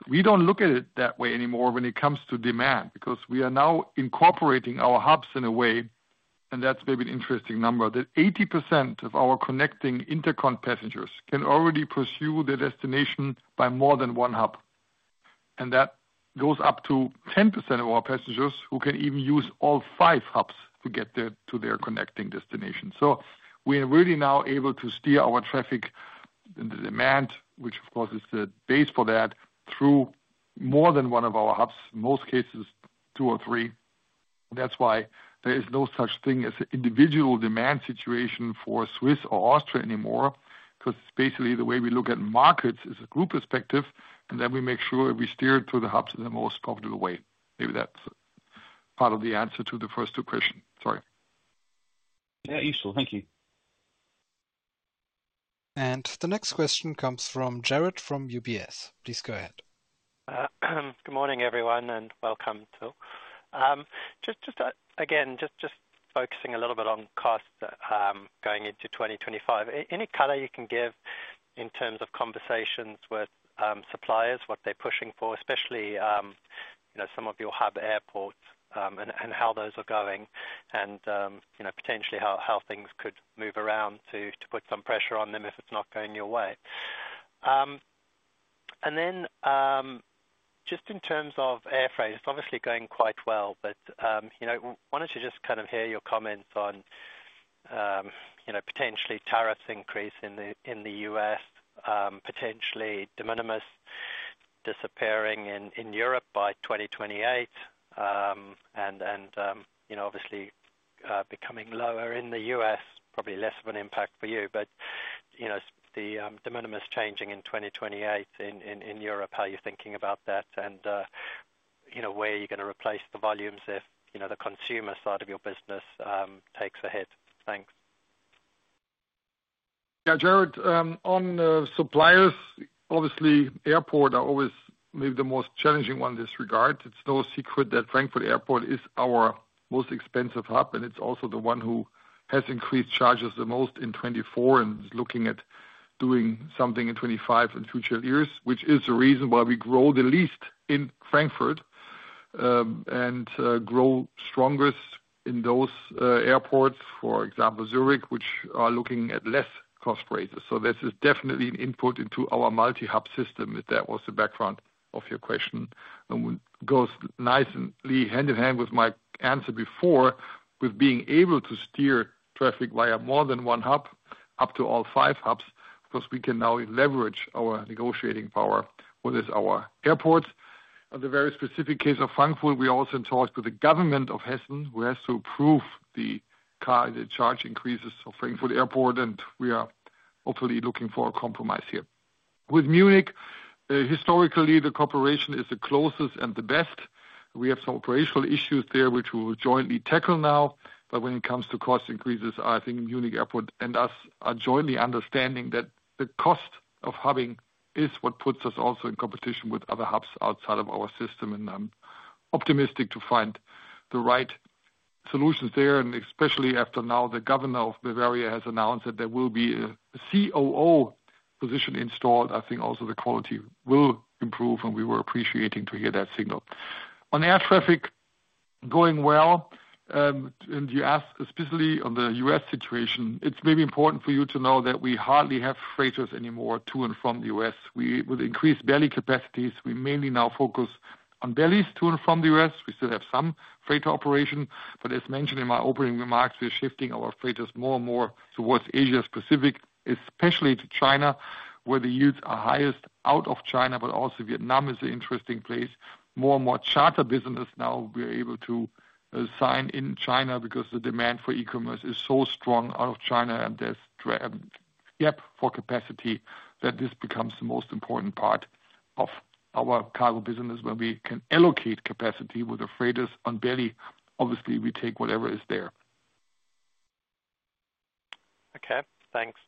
We don't look at it that way anymore when it comes to demand, because we are now incorporating our hubs in a way, and that's maybe an interesting number, that 80% of our connecting intercontinental passengers can already pursue their destination by more than one hub. And that goes up to 10% of our passengers, who can even use all five hubs to get to their connecting destination. So we are really now able to steer the demand, which of course is the base for that, through more than one of our hubs, most cases, two or three. That's why there is no such thing as an individual demand situation for Swiss or Austria anymore, because basically, the way we look at markets is a group perspective, and then we make sure we steer it through the hubs in the most popular way. Maybe that's part of the answer to the first two question. Sorry. Yeah, useful. Thank you. The next question comes from Jarrod from UBS. Please go ahead. Good morning, everyone, and welcome to. Again, just focusing a little bit on cost, going into twenty twenty-five. Any color you can give in terms of conversations with suppliers, what they're pushing for, especially, you know, some of your hub airports, and how those are going and, you know, potentially how things could move around to put some pressure on them if it's not going your way? And then, just in terms of air freight, it's obviously going quite well, but, you know, wanted to just kind of hear your comments on, you know, potentially tariffs increase in the U.S., potentially de minimis disappearing in Europe by twenty twenty-eight. You know, obviously, becoming lower in the U.S., probably less of an impact for you. But you know, the de minimis changing in 2028 in Europe, how are you thinking about that? And you know, where are you going to replace the volumes if, you know, the consumer side of your business takes a hit? Thanks. Yeah, Jarrod, on the suppliers, obviously, airports are always maybe the most challenging one in this regard. It's no secret that Frankfurt Airport is our most expensive hub, and it's also the one who has increased charges the most in 2024 and is looking at doing something in 2025 and future years, which is the reason why we grow the least in Frankfurt, and grow strongest in those airports, for example, Zurich, which are looking at less cost raises. So this is definitely an input into our multi-hub system, if that was the background of your question. And goes nicely hand in hand with my answer before, with being able to steer traffic via more than one hub, up to all five hubs, because we can now leverage our negotiating power with our airports. On the very specific case of Frankfurt, we are also in talks with the government of Hesse, who has to approve the cap, the charge increases of Frankfurt Airport, and we are hopefully looking for a compromise here. With Munich, historically, the cooperation is the closest and the best. We have some operational issues there, which we will jointly tackle now, but when it comes to cost increases, I think Munich Airport and us are jointly understanding that the cost of hubbing is what puts us also in competition with other hubs outside of our system, and I'm optimistic to find the right solutions there, and especially after now, the governor of Bavaria has announced that there will be a COO position installed. I think also the quality will improve, and we were appreciating to hear that signal. On air traffic going well, and you ask, especially on the U.S. situation, it's maybe important for you to know that we hardly have freighters anymore to and from the U.S. We, with increased belly capacities, we mainly now focus on bellies to and from the U.S. We still have some freighter operation, but as mentioned in my opening remarks, we are shifting our freighters more and more towards Asia Pacific, especially to China, where the yields are highest out of China, but also Vietnam is an interesting place. More and more charter business now we're able to sign in China because the demand for e-commerce is so strong out of China, and there's a gap for capacity, that this becomes the most important part of our cargo business, where we can allocate capacity with the freighters and belly. Obviously, we take whatever is there. Okay, thanks.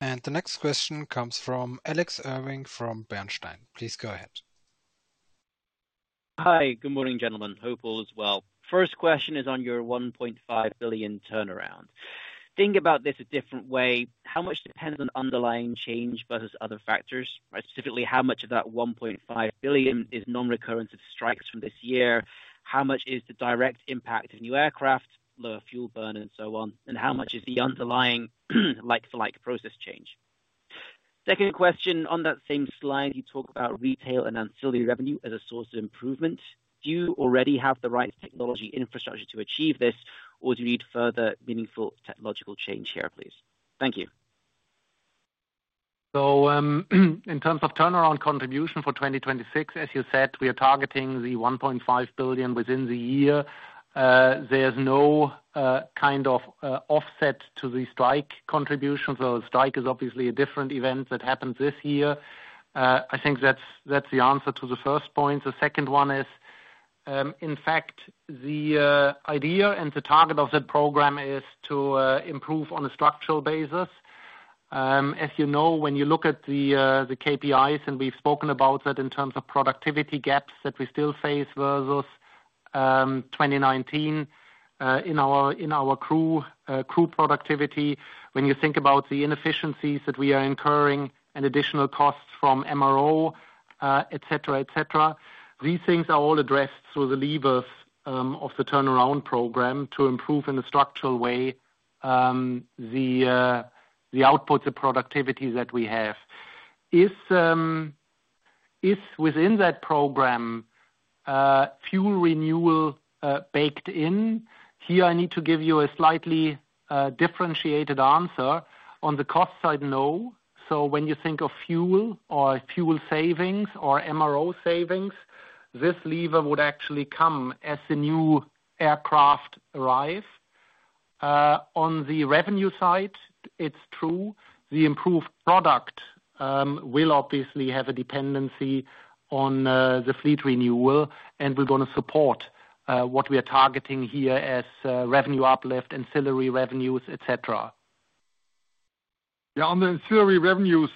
And the next question comes from Alex Irving, from Bernstein. Please go ahead. Hi, good morning, gentlemen. Hope all is well. First question is on your 1.5 billion turnaround. Thinking about this a different way, how much depends on underlying change versus other factors, right? Specifically, how much of that 1.5 billion is non-reoccurrence of strikes from this year? How much is the direct impact of new aircraft, lower fuel burn, and so on? And how much is the underlying like-for-like process change? Second question, on that same slide, you talk about retail and ancillary revenue as a source of improvement. Do you already have the right technology infrastructure to achieve this, or do you need further meaningful technological change here, please? Thank you. So, in terms of turnaround contribution for 2026, as you said, we are targeting the 1.5 billion within the year. There's no kind of offset to the strike contribution, so the strike is obviously a different event that happened this year. I think that's the answer to the first point. The second one is, in fact, the idea and the target of that program is to improve on a structural basis. As you know, when you look at the KPIs, and we've spoken about that in terms of productivity gaps that we still face versus 2019, in our crew productivity. When you think about the inefficiencies that we are incurring and additional costs from MRO, et cetera, et cetera, these things are all addressed through the levers of the turnaround program to improve in a structural way, the output, the productivity that we have. Is... Is within that program, fuel renewal, baked in? Here, I need to give you a slightly differentiated answer. On the cost side, no. So when you think of fuel or fuel savings or MRO savings, this lever would actually come as the new aircraft arrive. On the revenue side, it's true. The improved product will obviously have a dependency on the fleet renewal, and we're going to support what we are targeting here as revenue uplift, ancillary revenues, et cetera. Yeah, on the ancillary revenues,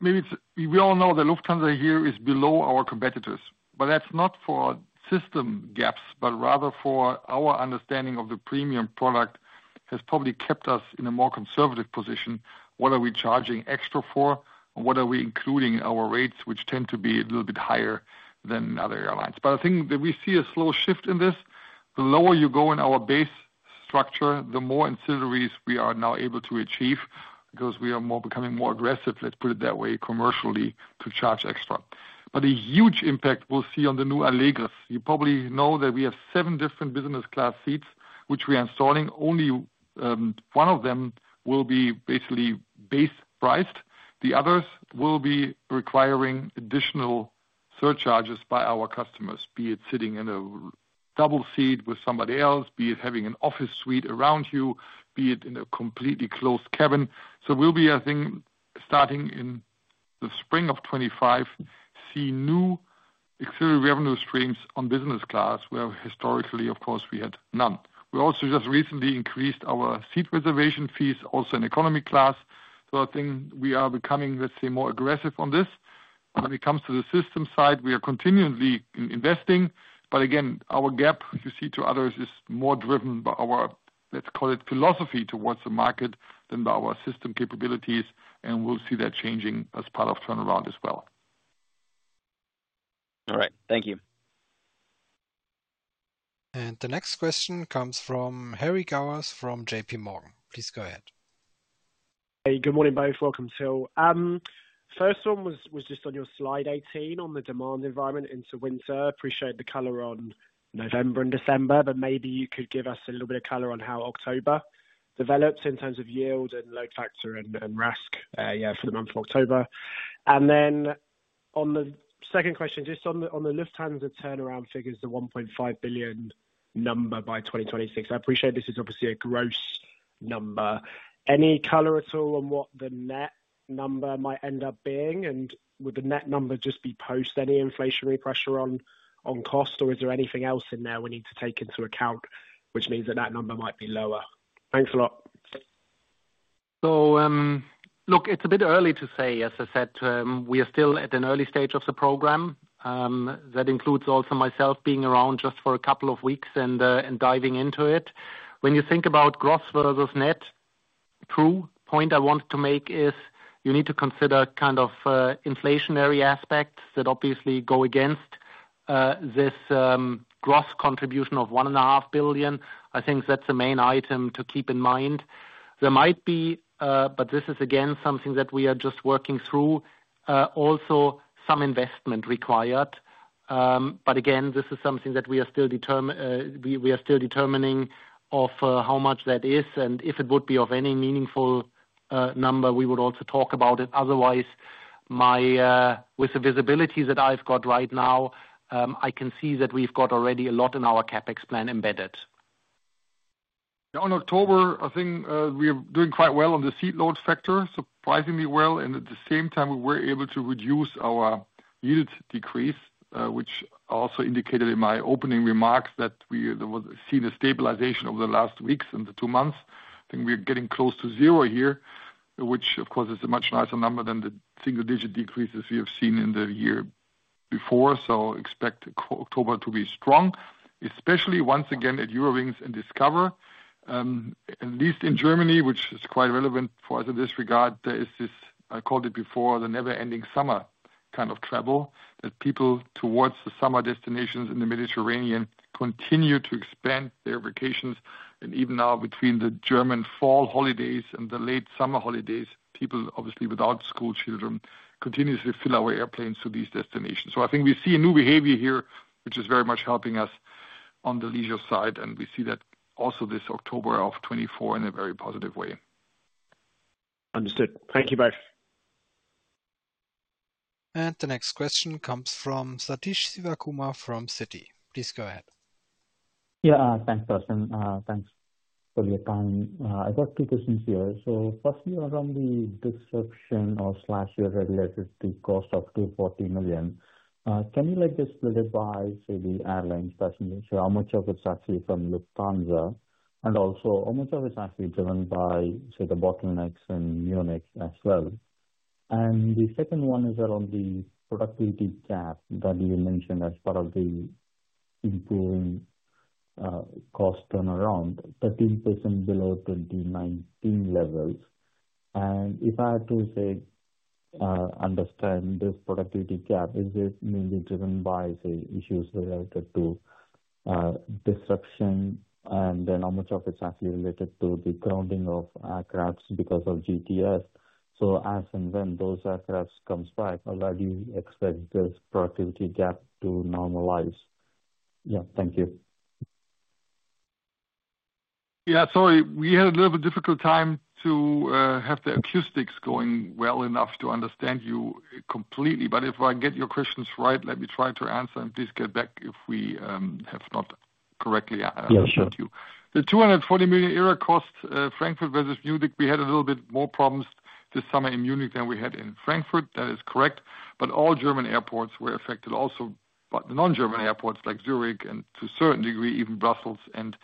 maybe it's we all know the Lufthansa here is below our competitors, but that's not for system gaps, but rather for our understanding of the premium product, has probably kept us in a more conservative position. What are we charging extra for, and what are we including in our rates, which tend to be a little bit higher than other airlines? But I think that we see a slow shift in this. The lower you go in our base structure, the more ancillaries we are now able to achieve, because we are becoming more aggressive, let's put it that way, commercially, to charge extra. But a huge impact we'll see on the new Allegris. You probably know that we have seven different business class seats which we are installing. Only one of them will be basically base priced. The others will be requiring additional surcharges by our customers, be it sitting in a double seat with somebody else, be it having an office suite around you, be it in a completely closed cabin. So we'll be, I think, starting in the spring of 2025, see new extra revenue streams on business class, where historically, of course, we had none. We also just recently increased our seat reservation fees, also in economy class. So I think we are becoming, let's say, more aggressive on this. When it comes to the system side, we are continually investing. But again, our gap, you see to others, is more driven by our, let's call it, philosophy towards the market than by our system capabilities, and we'll see that changing as part of turnaround as well. All right. Thank you. And the next question comes from Harry Gowers from J.P. Morgan. Please go ahead. Hey, good morning, both. Carsten and Till. First one was just on your slide 18 on the demand environment into winter. Appreciate the color on November and December, but maybe you could give us a little bit of color on how October develops in terms of yield and load factor and RASK for the month of October. And then on the second question, just on the Lufthansa turnaround figures, the 1.5 billion number by 2026. I appreciate this is obviously a gross number. Any color at all on what the net number might end up being? And would the net number just be post any inflationary pressure on cost, or is there anything else in there we need to take into account, which means that number might be lower? Thanks a lot. So, look, it's a bit early to say, as I said, we are still at an early stage of the program. That includes also myself being around just for a couple of weeks and diving into it. When you think about gross versus net, true point I want to make is you need to consider kind of, inflationary aspects that obviously go against this gross contribution of 1.5 billion. I think that's the main item to keep in mind. There might be, but this is, again, something that we are just working through, also some investment required. But again, this is something that we are still determining of, how much that is, and if it would be of any meaningful number, we would also talk about it. Otherwise, my, with the visibility that I've got right now, I can see that we've got already a lot in our CapEx plan embedded. On October, I think, we are doing quite well on the seat load factor, surprisingly well, and at the same time, we were able to reduce our yield decrease, which also indicated in my opening remarks that we would see the stabilization over the last weeks and the two months. I think we are getting close to zero here, which of course, is a much nicer number than the single-digit decreases we have seen in the year before. So expect October to be strong, especially once again at Eurowings and Discover. At least in Germany, which is quite relevant for us in this regard, there is this, I called it before, the never-ending summer kind of travel, that people towards the summer destinations in the Mediterranean continue to expand their vacations. And even now, between the German fall holidays and the late summer holidays, people, obviously without schoolchildren, continuously fill our airplanes to these destinations. So I think we see a new behavior here, which is very much helping us on the leisure side, and we see that also this October of 2024 in a very positive way. Understood. Thank you both. The next question comes from Sathish Sivakumar from Citi. Please go ahead. Yeah, thanks, everyone. Thanks for your time. I got two questions here. So firstly, around the disruption or slash year related to cost up to 40 million, can you like just split it by, say, the airline passenger? So how much of it's actually from Lufthansa, and also, how much of it's actually driven by, say, the bottlenecks in Munich as well? And the second one is around the productivity gap that you mentioned as part of the improving cost turnaround, 13% below 2019 levels. And if I had to say, understand the productivity gap, is it mainly driven by, say, issues related to disruption, and then how much of it's actually related to the grounding of aircraft because of GTF? So as and when those aircraft comes back, do you expect this productivity gap to normalize? Yeah, thank you. Yeah, sorry, we had a little bit difficult time to have the acoustics going well enough to understand you completely. But if I get your questions right, let me try to answer and please get back if we have not correctly understood you. Yeah, sure. The 240 million euro IROPS cost, Frankfurt versus Munich, we had a little bit more problems this summer in Munich than we had in Frankfurt. That is correct, but all German airports were affected also, but the non-German airports, like Zurich and to a certain degree, even Brussels and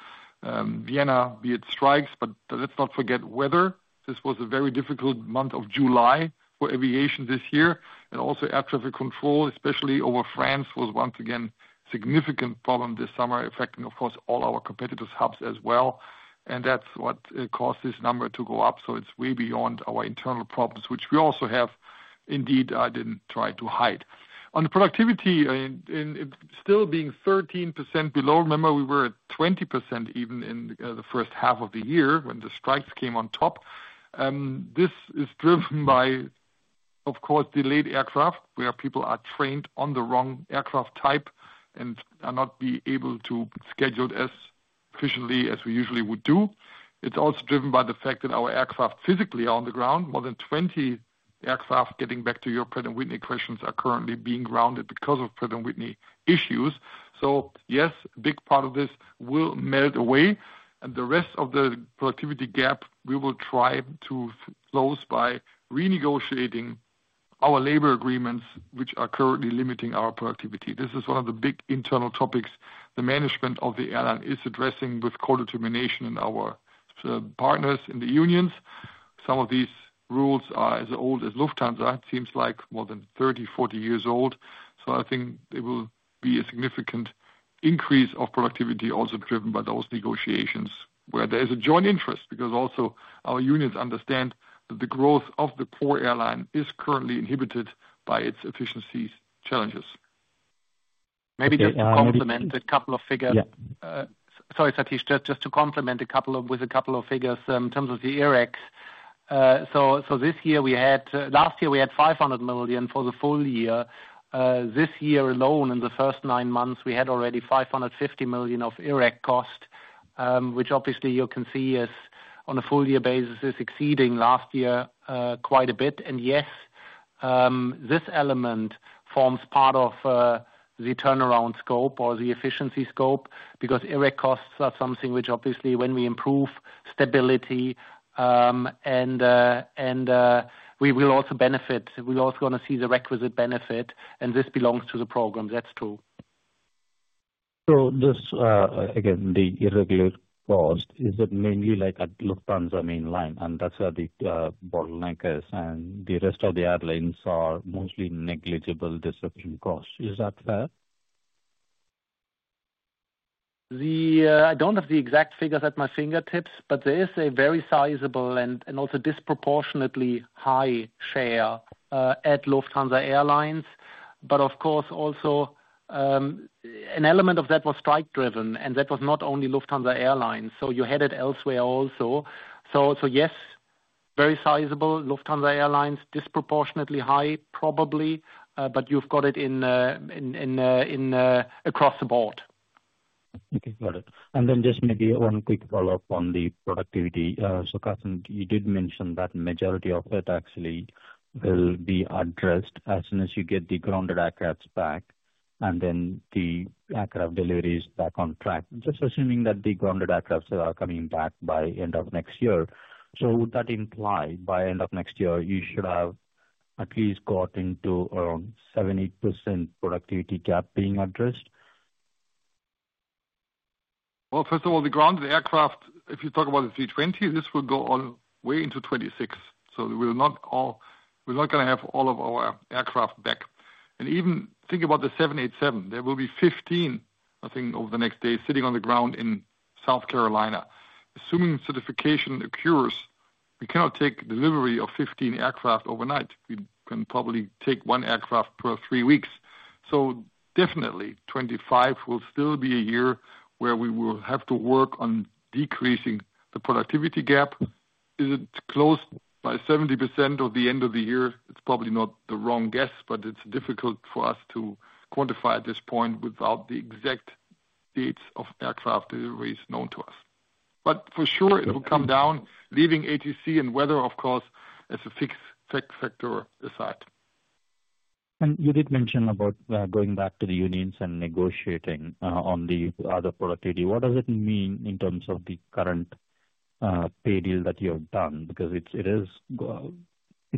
Vienna, be it strikes, but let's not forget weather. This was a very difficult month of July for aviation this year, and also air traffic control, especially over France, was once again significant problem this summer, affecting, of course, all our competitors' hubs as well, and that's what caused this number to go up. So it's way beyond our internal problems, which we also have. Indeed, I didn't try to hide. On the productivity and it still being 13% below, remember we were at 20% even in the first half of the year when the strikes came on top. This is driven by, of course, delayed aircraft, where people are trained on the wrong aircraft type and are not able to schedule as efficiently as we usually would do. It's also driven by the fact that our aircraft physically are on the ground. More than 20 aircraft, getting back to your Pratt & Whitney questions, are currently being grounded because of Pratt & Whitney issues. So yes, a big part of this will melt away, and the rest of the productivity gap, we will try to close by renegotiating our labor agreements, which are currently limiting our productivity. This is one of the big internal topics the management of the airline is addressing with co-determination in our partners in the unions. Some of these rules are as old as Lufthansa. It seems like more than 30, 40 years old, so I think there will be a significant increase of productivity also driven by those negotiations, where there is a joint interest, because also our unions understand that the growth of the core airline is currently inhibited by its efficiency challenges. Maybe just to complement a couple of figures. Yeah. Sorry, Sathish, just to complement a couple of figures, in terms of the IROPS. So last year we had 500 million for the full year. This year alone, in the first nine months, we had already 550 million of IROPS cost, which obviously you can see is on a full year basis, is exceeding last year, quite a bit. And yes, this element forms part of the turnaround scope or the efficiency scope, because IROPS costs are something which obviously, when we improve stability, and we will also benefit. We're also going to see the requisite benefit, and this belongs to the program. That's true. This, again, the irregular cost, is it mainly like at Lufthansa mainline, and that's where the bottleneck is, and the rest of the airlines are mostly negligible disruption costs. Is that fair? I don't have the exact figures at my fingertips, but there is a very sizable and also disproportionately high share at Lufthansa Airlines. But of course, also, an element of that was strike driven, and that was not only Lufthansa Airlines, so you had it elsewhere also. So, yes, very sizable. Lufthansa Airlines, disproportionately high, probably, but you've got it in across the board. Okay, got it. And then just maybe one quick follow-up on the productivity. So Carsten, you did mention that majority of it actually will be addressed as soon as you get the grounded aircraft back, and then the aircraft deliveries back on track. Just assuming that the grounded aircraft are coming back by end of next year, so would that imply by end of next year, you should have at least got into around 70% productivity gap being addressed? First of all, the grounded aircraft, if you talk about the A320, this will go on way into 2026. So we're not, we're not going to have all of our aircraft back. And even think about the 787. There will be 15, I think, over the next year, sitting on the ground in South Carolina. Assuming certification occurs, we cannot take delivery of 15 aircraft overnight. We can probably take one aircraft per three weeks. So definitely, 2025 will still be a year where we will have to work on decreasing the productivity gap. Is it close to 70% by the end of the year? It's probably not the wrong guess, but it's difficult for us to quantify at this point without the exact dates of aircraft deliveries known to us. But for sure, it will come down, leaving ATC and weather, of course, as a fixed factor aside. You did mention about going back to the unions and negotiating on the other productivity. What does it mean in terms of the current pay deal that you have done? Because it is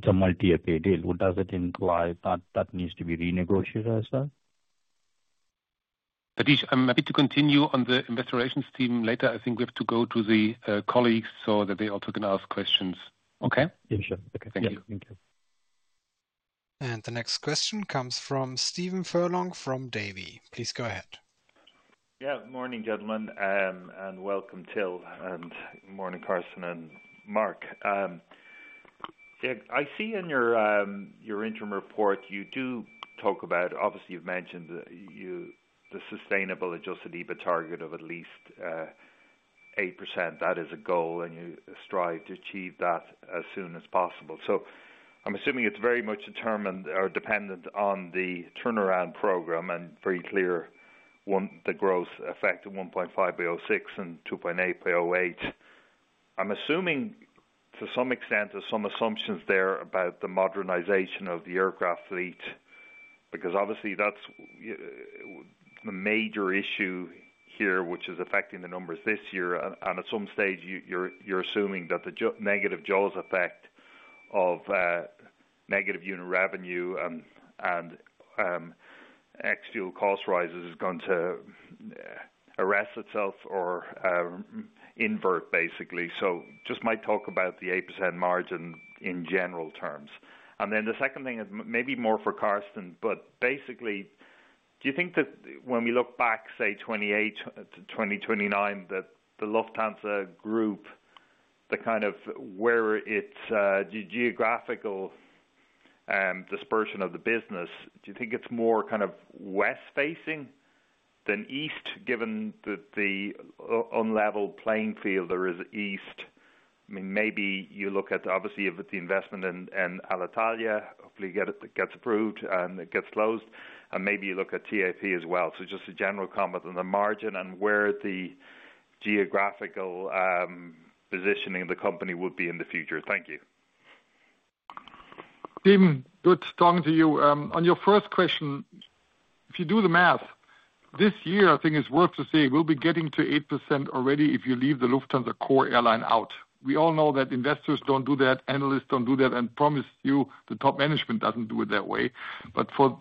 a multi-year pay deal. What does it imply that needs to be renegotiated as well? Sathish, I'm happy to continue on the investor relations team later. I think we have to go to the, colleagues so that they also can ask questions. Okay? Yeah, sure. Okay. Thank you. Thank you. The next question comes from Stephen Furlong, from Davy. Please go ahead. Yeah. Morning, gentlemen, and welcome, Till, and morning, Carsten and Marc. I see in your, your interim report, you do talk about, obviously, you've mentioned that you, the sustainable adjusted EBIT target of at least, 8%. That is a goal, and you strive to achieve that as soon as possible. So I'm assuming it's very much determined or dependent on the turnaround program, and very clear, one, the growth effect of one point five by 2026 and two point eight by 2028. I'm assuming to some extent, there's some assumptions there about the modernization of the aircraft fleet, because obviously, that's a major issue here, which is affecting the numbers this year. And at some stage, you're assuming that the negative jaws effect of negative unit revenue and ex-fuel cost rises is going to arrest itself or invert, basically. So just might talk about the 8% margin in general terms. And then the second thing is maybe more for Carsten, but basically, do you think that when we look back, say, 2028 to 2029, that the Lufthansa Group, the kind of where it's the geographical dispersion of the business, do you think it's more kind of west facing than east, given that the unleveled playing field there is east? I mean, maybe you look at, obviously, with the investment in Alitalia, hopefully it gets approved and it gets closed, and maybe you look at TAP as well. So just a general comment on the margin and where the geographical, positioning of the company would be in the future. Thank you. Stephen, good talking to you. On your first question, if you do the math, this year, I think it's worth to say we'll be getting to 8% already if you leave the Lufthansa core airline out. We all know that investors don't do that, analysts don't do that, and promise you, the top management doesn't do it that way. But for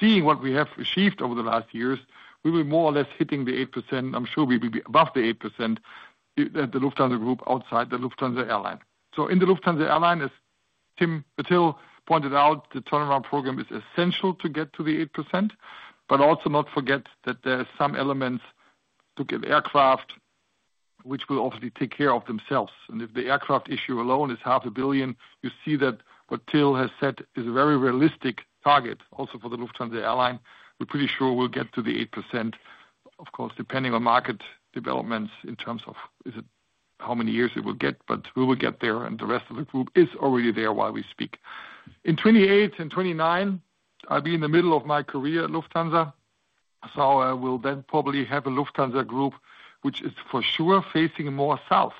seeing what we have achieved over the last years, we were more or less hitting the 8%. I'm sure we will be above the 8% at the Lufthansa Group, outside the Lufthansa airline. So in the Lufthansa airline, as Till pointed out, the turnaround program is essential to get to the 8%, but also not forget that there are some elements to get aircraft, which will obviously take care of themselves. If the aircraft issue alone is 500 million, you see that what Till has said is a very realistic target also for the Lufthansa airline. We're pretty sure we'll get to the 8%, of course, depending on market developments in terms of is it, how many years it will get, but we will get there, and the rest of the group is already there while we speak. In 2028 and 2029, I'll be in the middle of my career at Lufthansa, so I will then probably have a Lufthansa Group, which is for sure facing more south.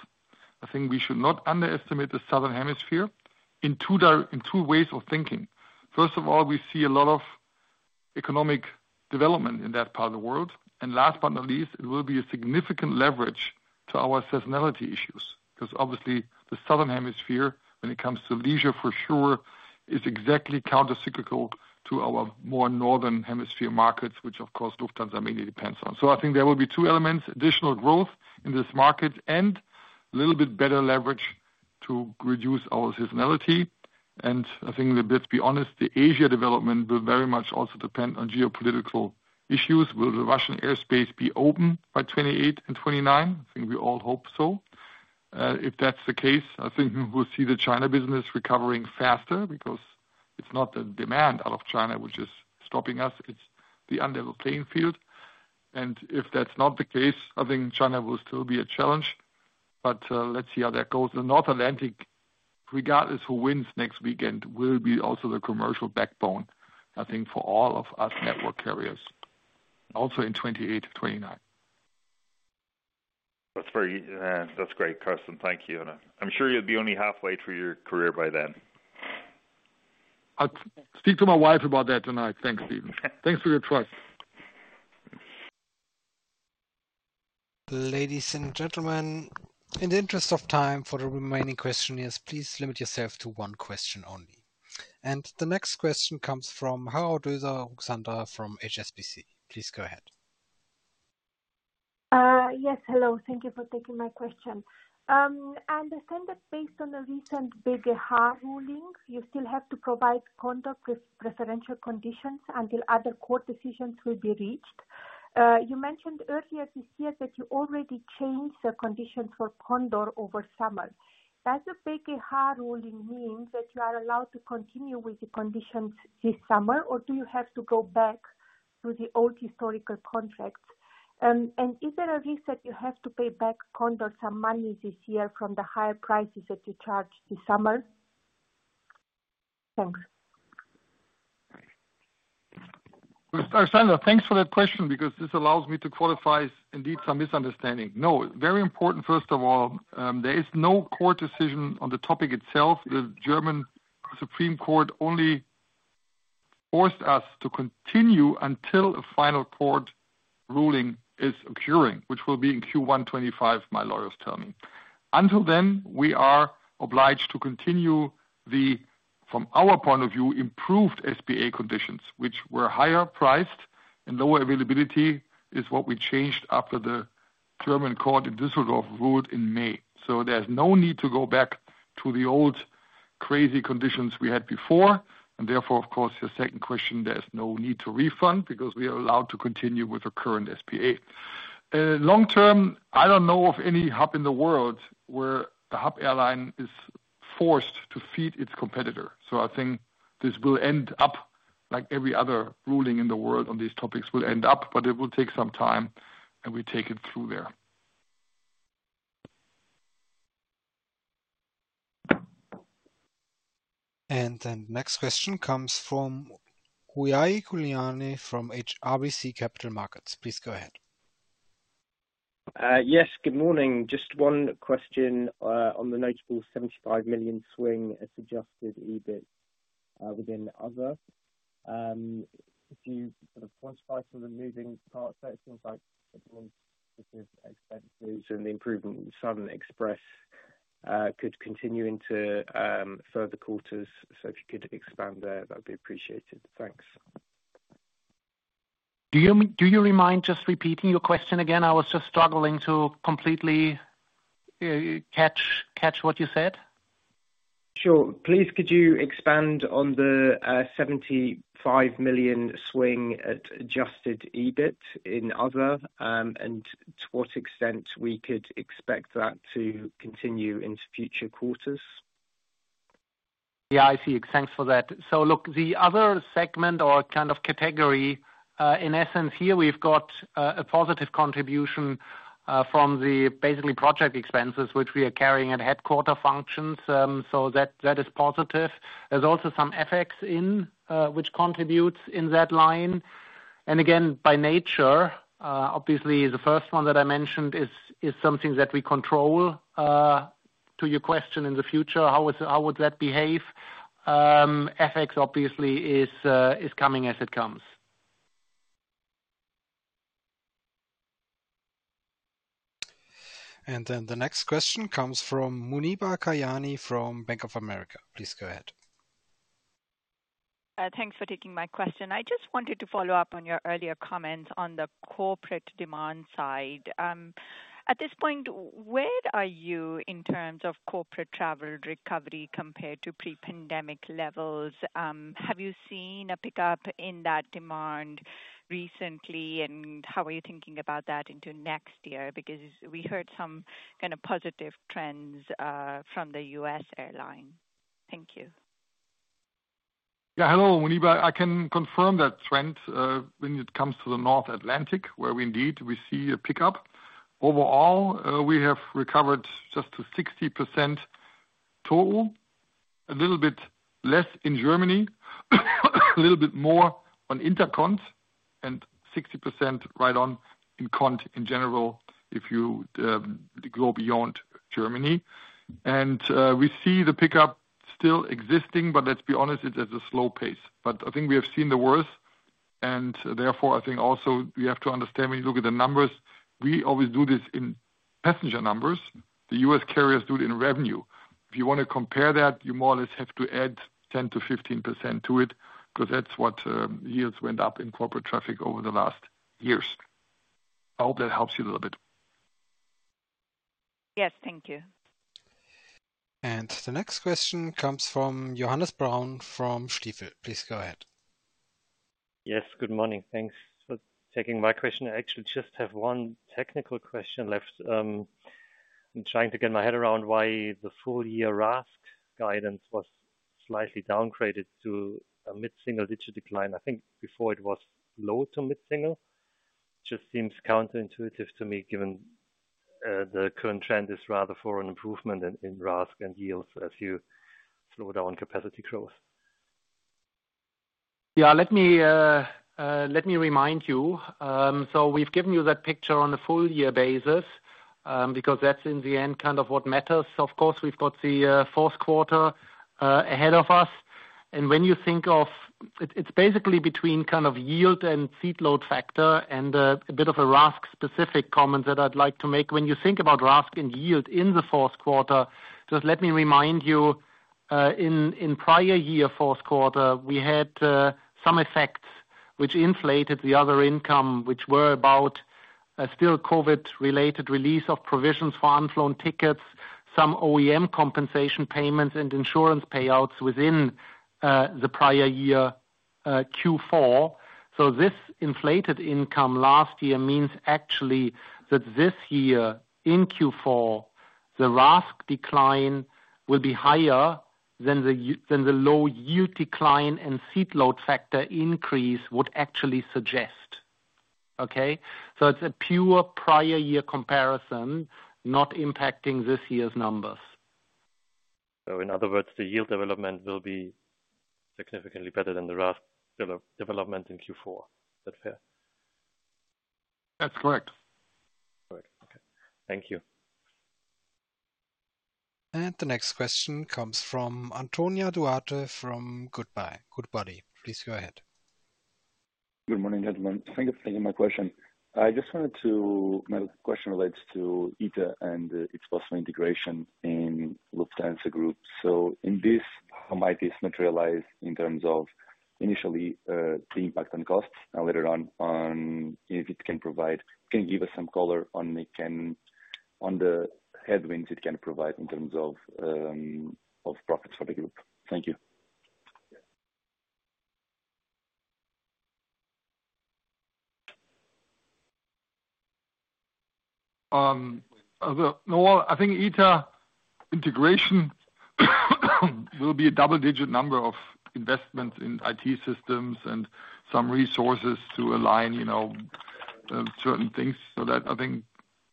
I think we should not underestimate the Southern Hemisphere in two ways of thinking. First of all, we see a lot of economic development in that part of the world, and last but not least, it will be a significant leverage to our seasonality issues. Because obviously the Southern Hemisphere, when it comes to leisure for sure, is exactly countercyclical to our more Northern Hemisphere markets, which, of course, Lufthansa mainly depends on, so I think there will be two elements, additional growth in this market and a little bit better leverage to reduce our seasonality, and I think, let's be honest, the Asia development will very much also depend on geopolitical issues. Will the Russian airspace be open by 2028 and 2029? I think we all hope so. If that's the case, I think we'll see the China business recovering faster because it's not the demand out of China which is stopping us, it's the uneven playing field, and if that's not the case, I think China will still be a challenge, but let's see how that goes. The North Atlantic, regardless who wins next weekend, will be also the commercial backbone, I think, for all of us network carriers, also in 2028 to 2029. That's very, that's great, Carsten. Thank you, and I'm sure you'll be only halfway through your career by then. I'll speak to my wife about that tonight. Thanks, Stephen. Thanks for your trust. Ladies and gentlemen, in the interest of time for the remaining questioners, please limit yourself to one question only. And the next question comes from Harold Alexander from HSBC. Please go ahead. Yes, hello. Thank you for taking my question. I understand that based on the recent BGH ruling, you still have to provide Condor with preferential conditions until other court decisions will be reached. You mentioned earlier this year that you already changed the conditions for Condor over summer. Does the BGH ruling mean that you are allowed to continue with the conditions this summer, or do you have to go back to the old historical contracts, and is there a risk that you have to pay back Condor some money this year from the higher prices that you charged this summer? Thanks. Alexander, thanks for that question, because this allows me to qualify indeed, some misunderstanding. No, very important, first of all, there is no court decision on the topic itself. The German Supreme Court only forced us to continue until a final court ruling is occurring, which will be in Q1 2025, my lawyers tell me. Until then, we are obliged to continue the, from our point of view, improved SPA conditions, which were higher priced and lower availability, is what we changed after the German court in Düsseldorf ruled in May. So there's no need to go back to the old crazy conditions we had before, and therefore, of course, your second question, there is no need to refund because we are allowed to continue with the current SPA. Long term, I don't know of any hub in the world where the hub airline is forced to feed its competitor. So I think this will end up like every other ruling in the world on these topics will end up, but it will take some time, and we take it through there. And then next question comes from Ruairi Cullinane from RBC Capital Markets. Please go ahead. Yes, good morning. Just one question on the notable 75 million swing, as adjusted, EBIT, within other. If you sort of quantify some of the moving parts there, it seems like expenses and the improvement in SunExpress could continue into further quarters. So if you could expand there, that would be appreciated. Thanks. Do you mind just repeating your question again? I was just struggling to completely catch what you said. Sure. Please, could you expand on the 75 million swing at adjusted EBIT in other, and to what extent we could expect that to continue into future quarters? Yeah, I see. Thanks for that. So look, the other segment or kind of category, in essence, here we've got a positive contribution from the basically project expenses, which we are carrying at headquarters functions. So that is positive. There's also some FX in, which contributes in that line. And again, by nature, obviously, the first one that I mentioned is something that we control. To your question in the future, how would that behave? FX, obviously, is coming as it comes. And then the next question comes from Muneeba Kayani, from Bank of America. Please go ahead. Thanks for taking my question. I just wanted to follow up on your earlier comments on the corporate demand side. At this point, where are you in terms of corporate travel recovery compared to pre-pandemic levels? Have you seen a pickup in that demand recently, and how are you thinking about that into next year? Because we heard some kind of positive trends from the US airline. Thank you. Yeah, hello, Muniba. I can confirm that trend, when it comes to the North Atlantic, where we indeed, we see a pickup. Overall, we have recovered just to 60% total, a little bit less in Germany, a little bit more on intercont, and 60% right on Cont in general, if you go beyond Germany. And, we see the pickup still existing, but let's be honest, it's at a slow pace. But I think we have seen the worst, and therefore, I think also we have to understand when you look at the numbers, we always do this in passenger numbers. The U.S. carriers do it in revenue. If you want to compare that, you more or less have to add 10% to 15% to it, because that's what yields went up in corporate traffic over the last years. I hope that helps you a little bit. Yes, thank you. The next question comes from Johannes Braun from Stifel. Please go ahead. Yes, good morning. Thanks for taking my question. I actually just have one technical question left. I'm trying to get my head around why the full year RASK guidance was slightly downgraded to a mid-single-digit decline. I think before it was low to mid-single. Just seems counterintuitive to me, given, the current trend is rather for an improvement in, in RASK and yields as you slow down capacity growth. Yeah, let me, let me remind you. So we've given you that picture on a full year basis, because that's in the end, kind of what matters. Of course, we've got the fourth quarter ahead of us, and when you think of... It's basically between kind of yield and seat load factor and a bit of a RASK-specific comment that I'd like to make. When you think about RASK and yield in the fourth quarter, just let me remind you, in prior year, fourth quarter, we had some effects which inflated the other income, which were about a still COVID-related release of provisions for unflown tickets, some OEM compensation payments and insurance payouts within the prior year Q4. So this inflated income last year means actually that this year, in Q4, the RASK decline will be higher than the low yield decline and seat load factor increase would actually suggest. Okay? So it's a pure prior year comparison, not impacting this year's numbers. So in other words, the yield development will be significantly better than the RASK development in Q4. Is that fair? That's correct. Correct. Okay. Thank you. The next question comes from Antonio Duarte from Goodbody. Please go ahead. Good morning, gentlemen. Thank you for taking my question. I just wanted to—my question relates to ITA and its possible integration in Lufthansa Group. So in this, how might this materialize in terms of initially, the impact on costs and later on, if it can provide, can you give us some color on it can, on the headwinds it can provide in terms of, of profits for the group? Thank you. I think ITA integration will be a double-digit number of investment in IT systems and some resources to align, you know, certain things. That, I think,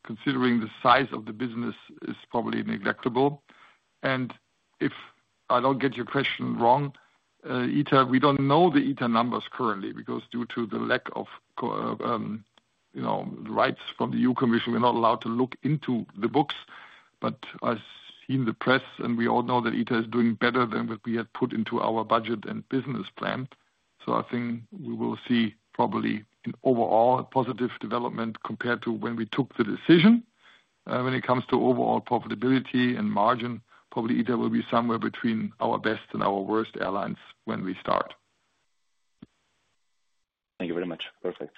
considering the size of the business, is probably negligible. If I don't get your question wrong, ITA, we don't know the ITA numbers currently, because due to the lack of, you know, rights from the EU Commission, we're not allowed to look into the books, but I've seen the press, and we all know that ITA is doing better than what we had put into our budget and business plan. I think we will see probably an overall positive development compared to when we took the decision. When it comes to overall profitability and margin, probably ITA will be somewhere between our best and our worst airlines when we start. Thank you very much. Perfect.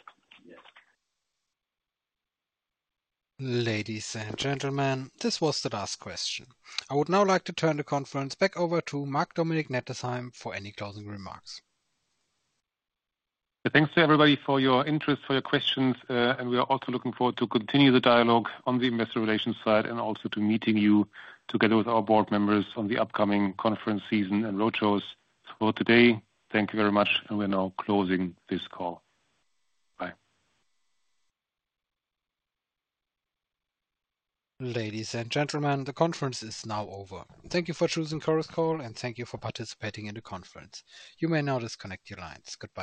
Ladies and gentlemen, this was the last question. I would now like to turn the conference back over to Marc-Dominic Nettesheim for any closing remarks. Thanks to everybody for your interest, for your questions, and we are also looking forward to continue the dialogue on the investor relations side and also to meeting you together with our board members on the upcoming conference season and road shows. For today, thank you very much, and we're now closing this call. Bye. Ladies and gentlemen, the conference is now over. Thank you for choosing Chorus Call, and thank you for participating in the conference. You may now disconnect your lines. Goodbye.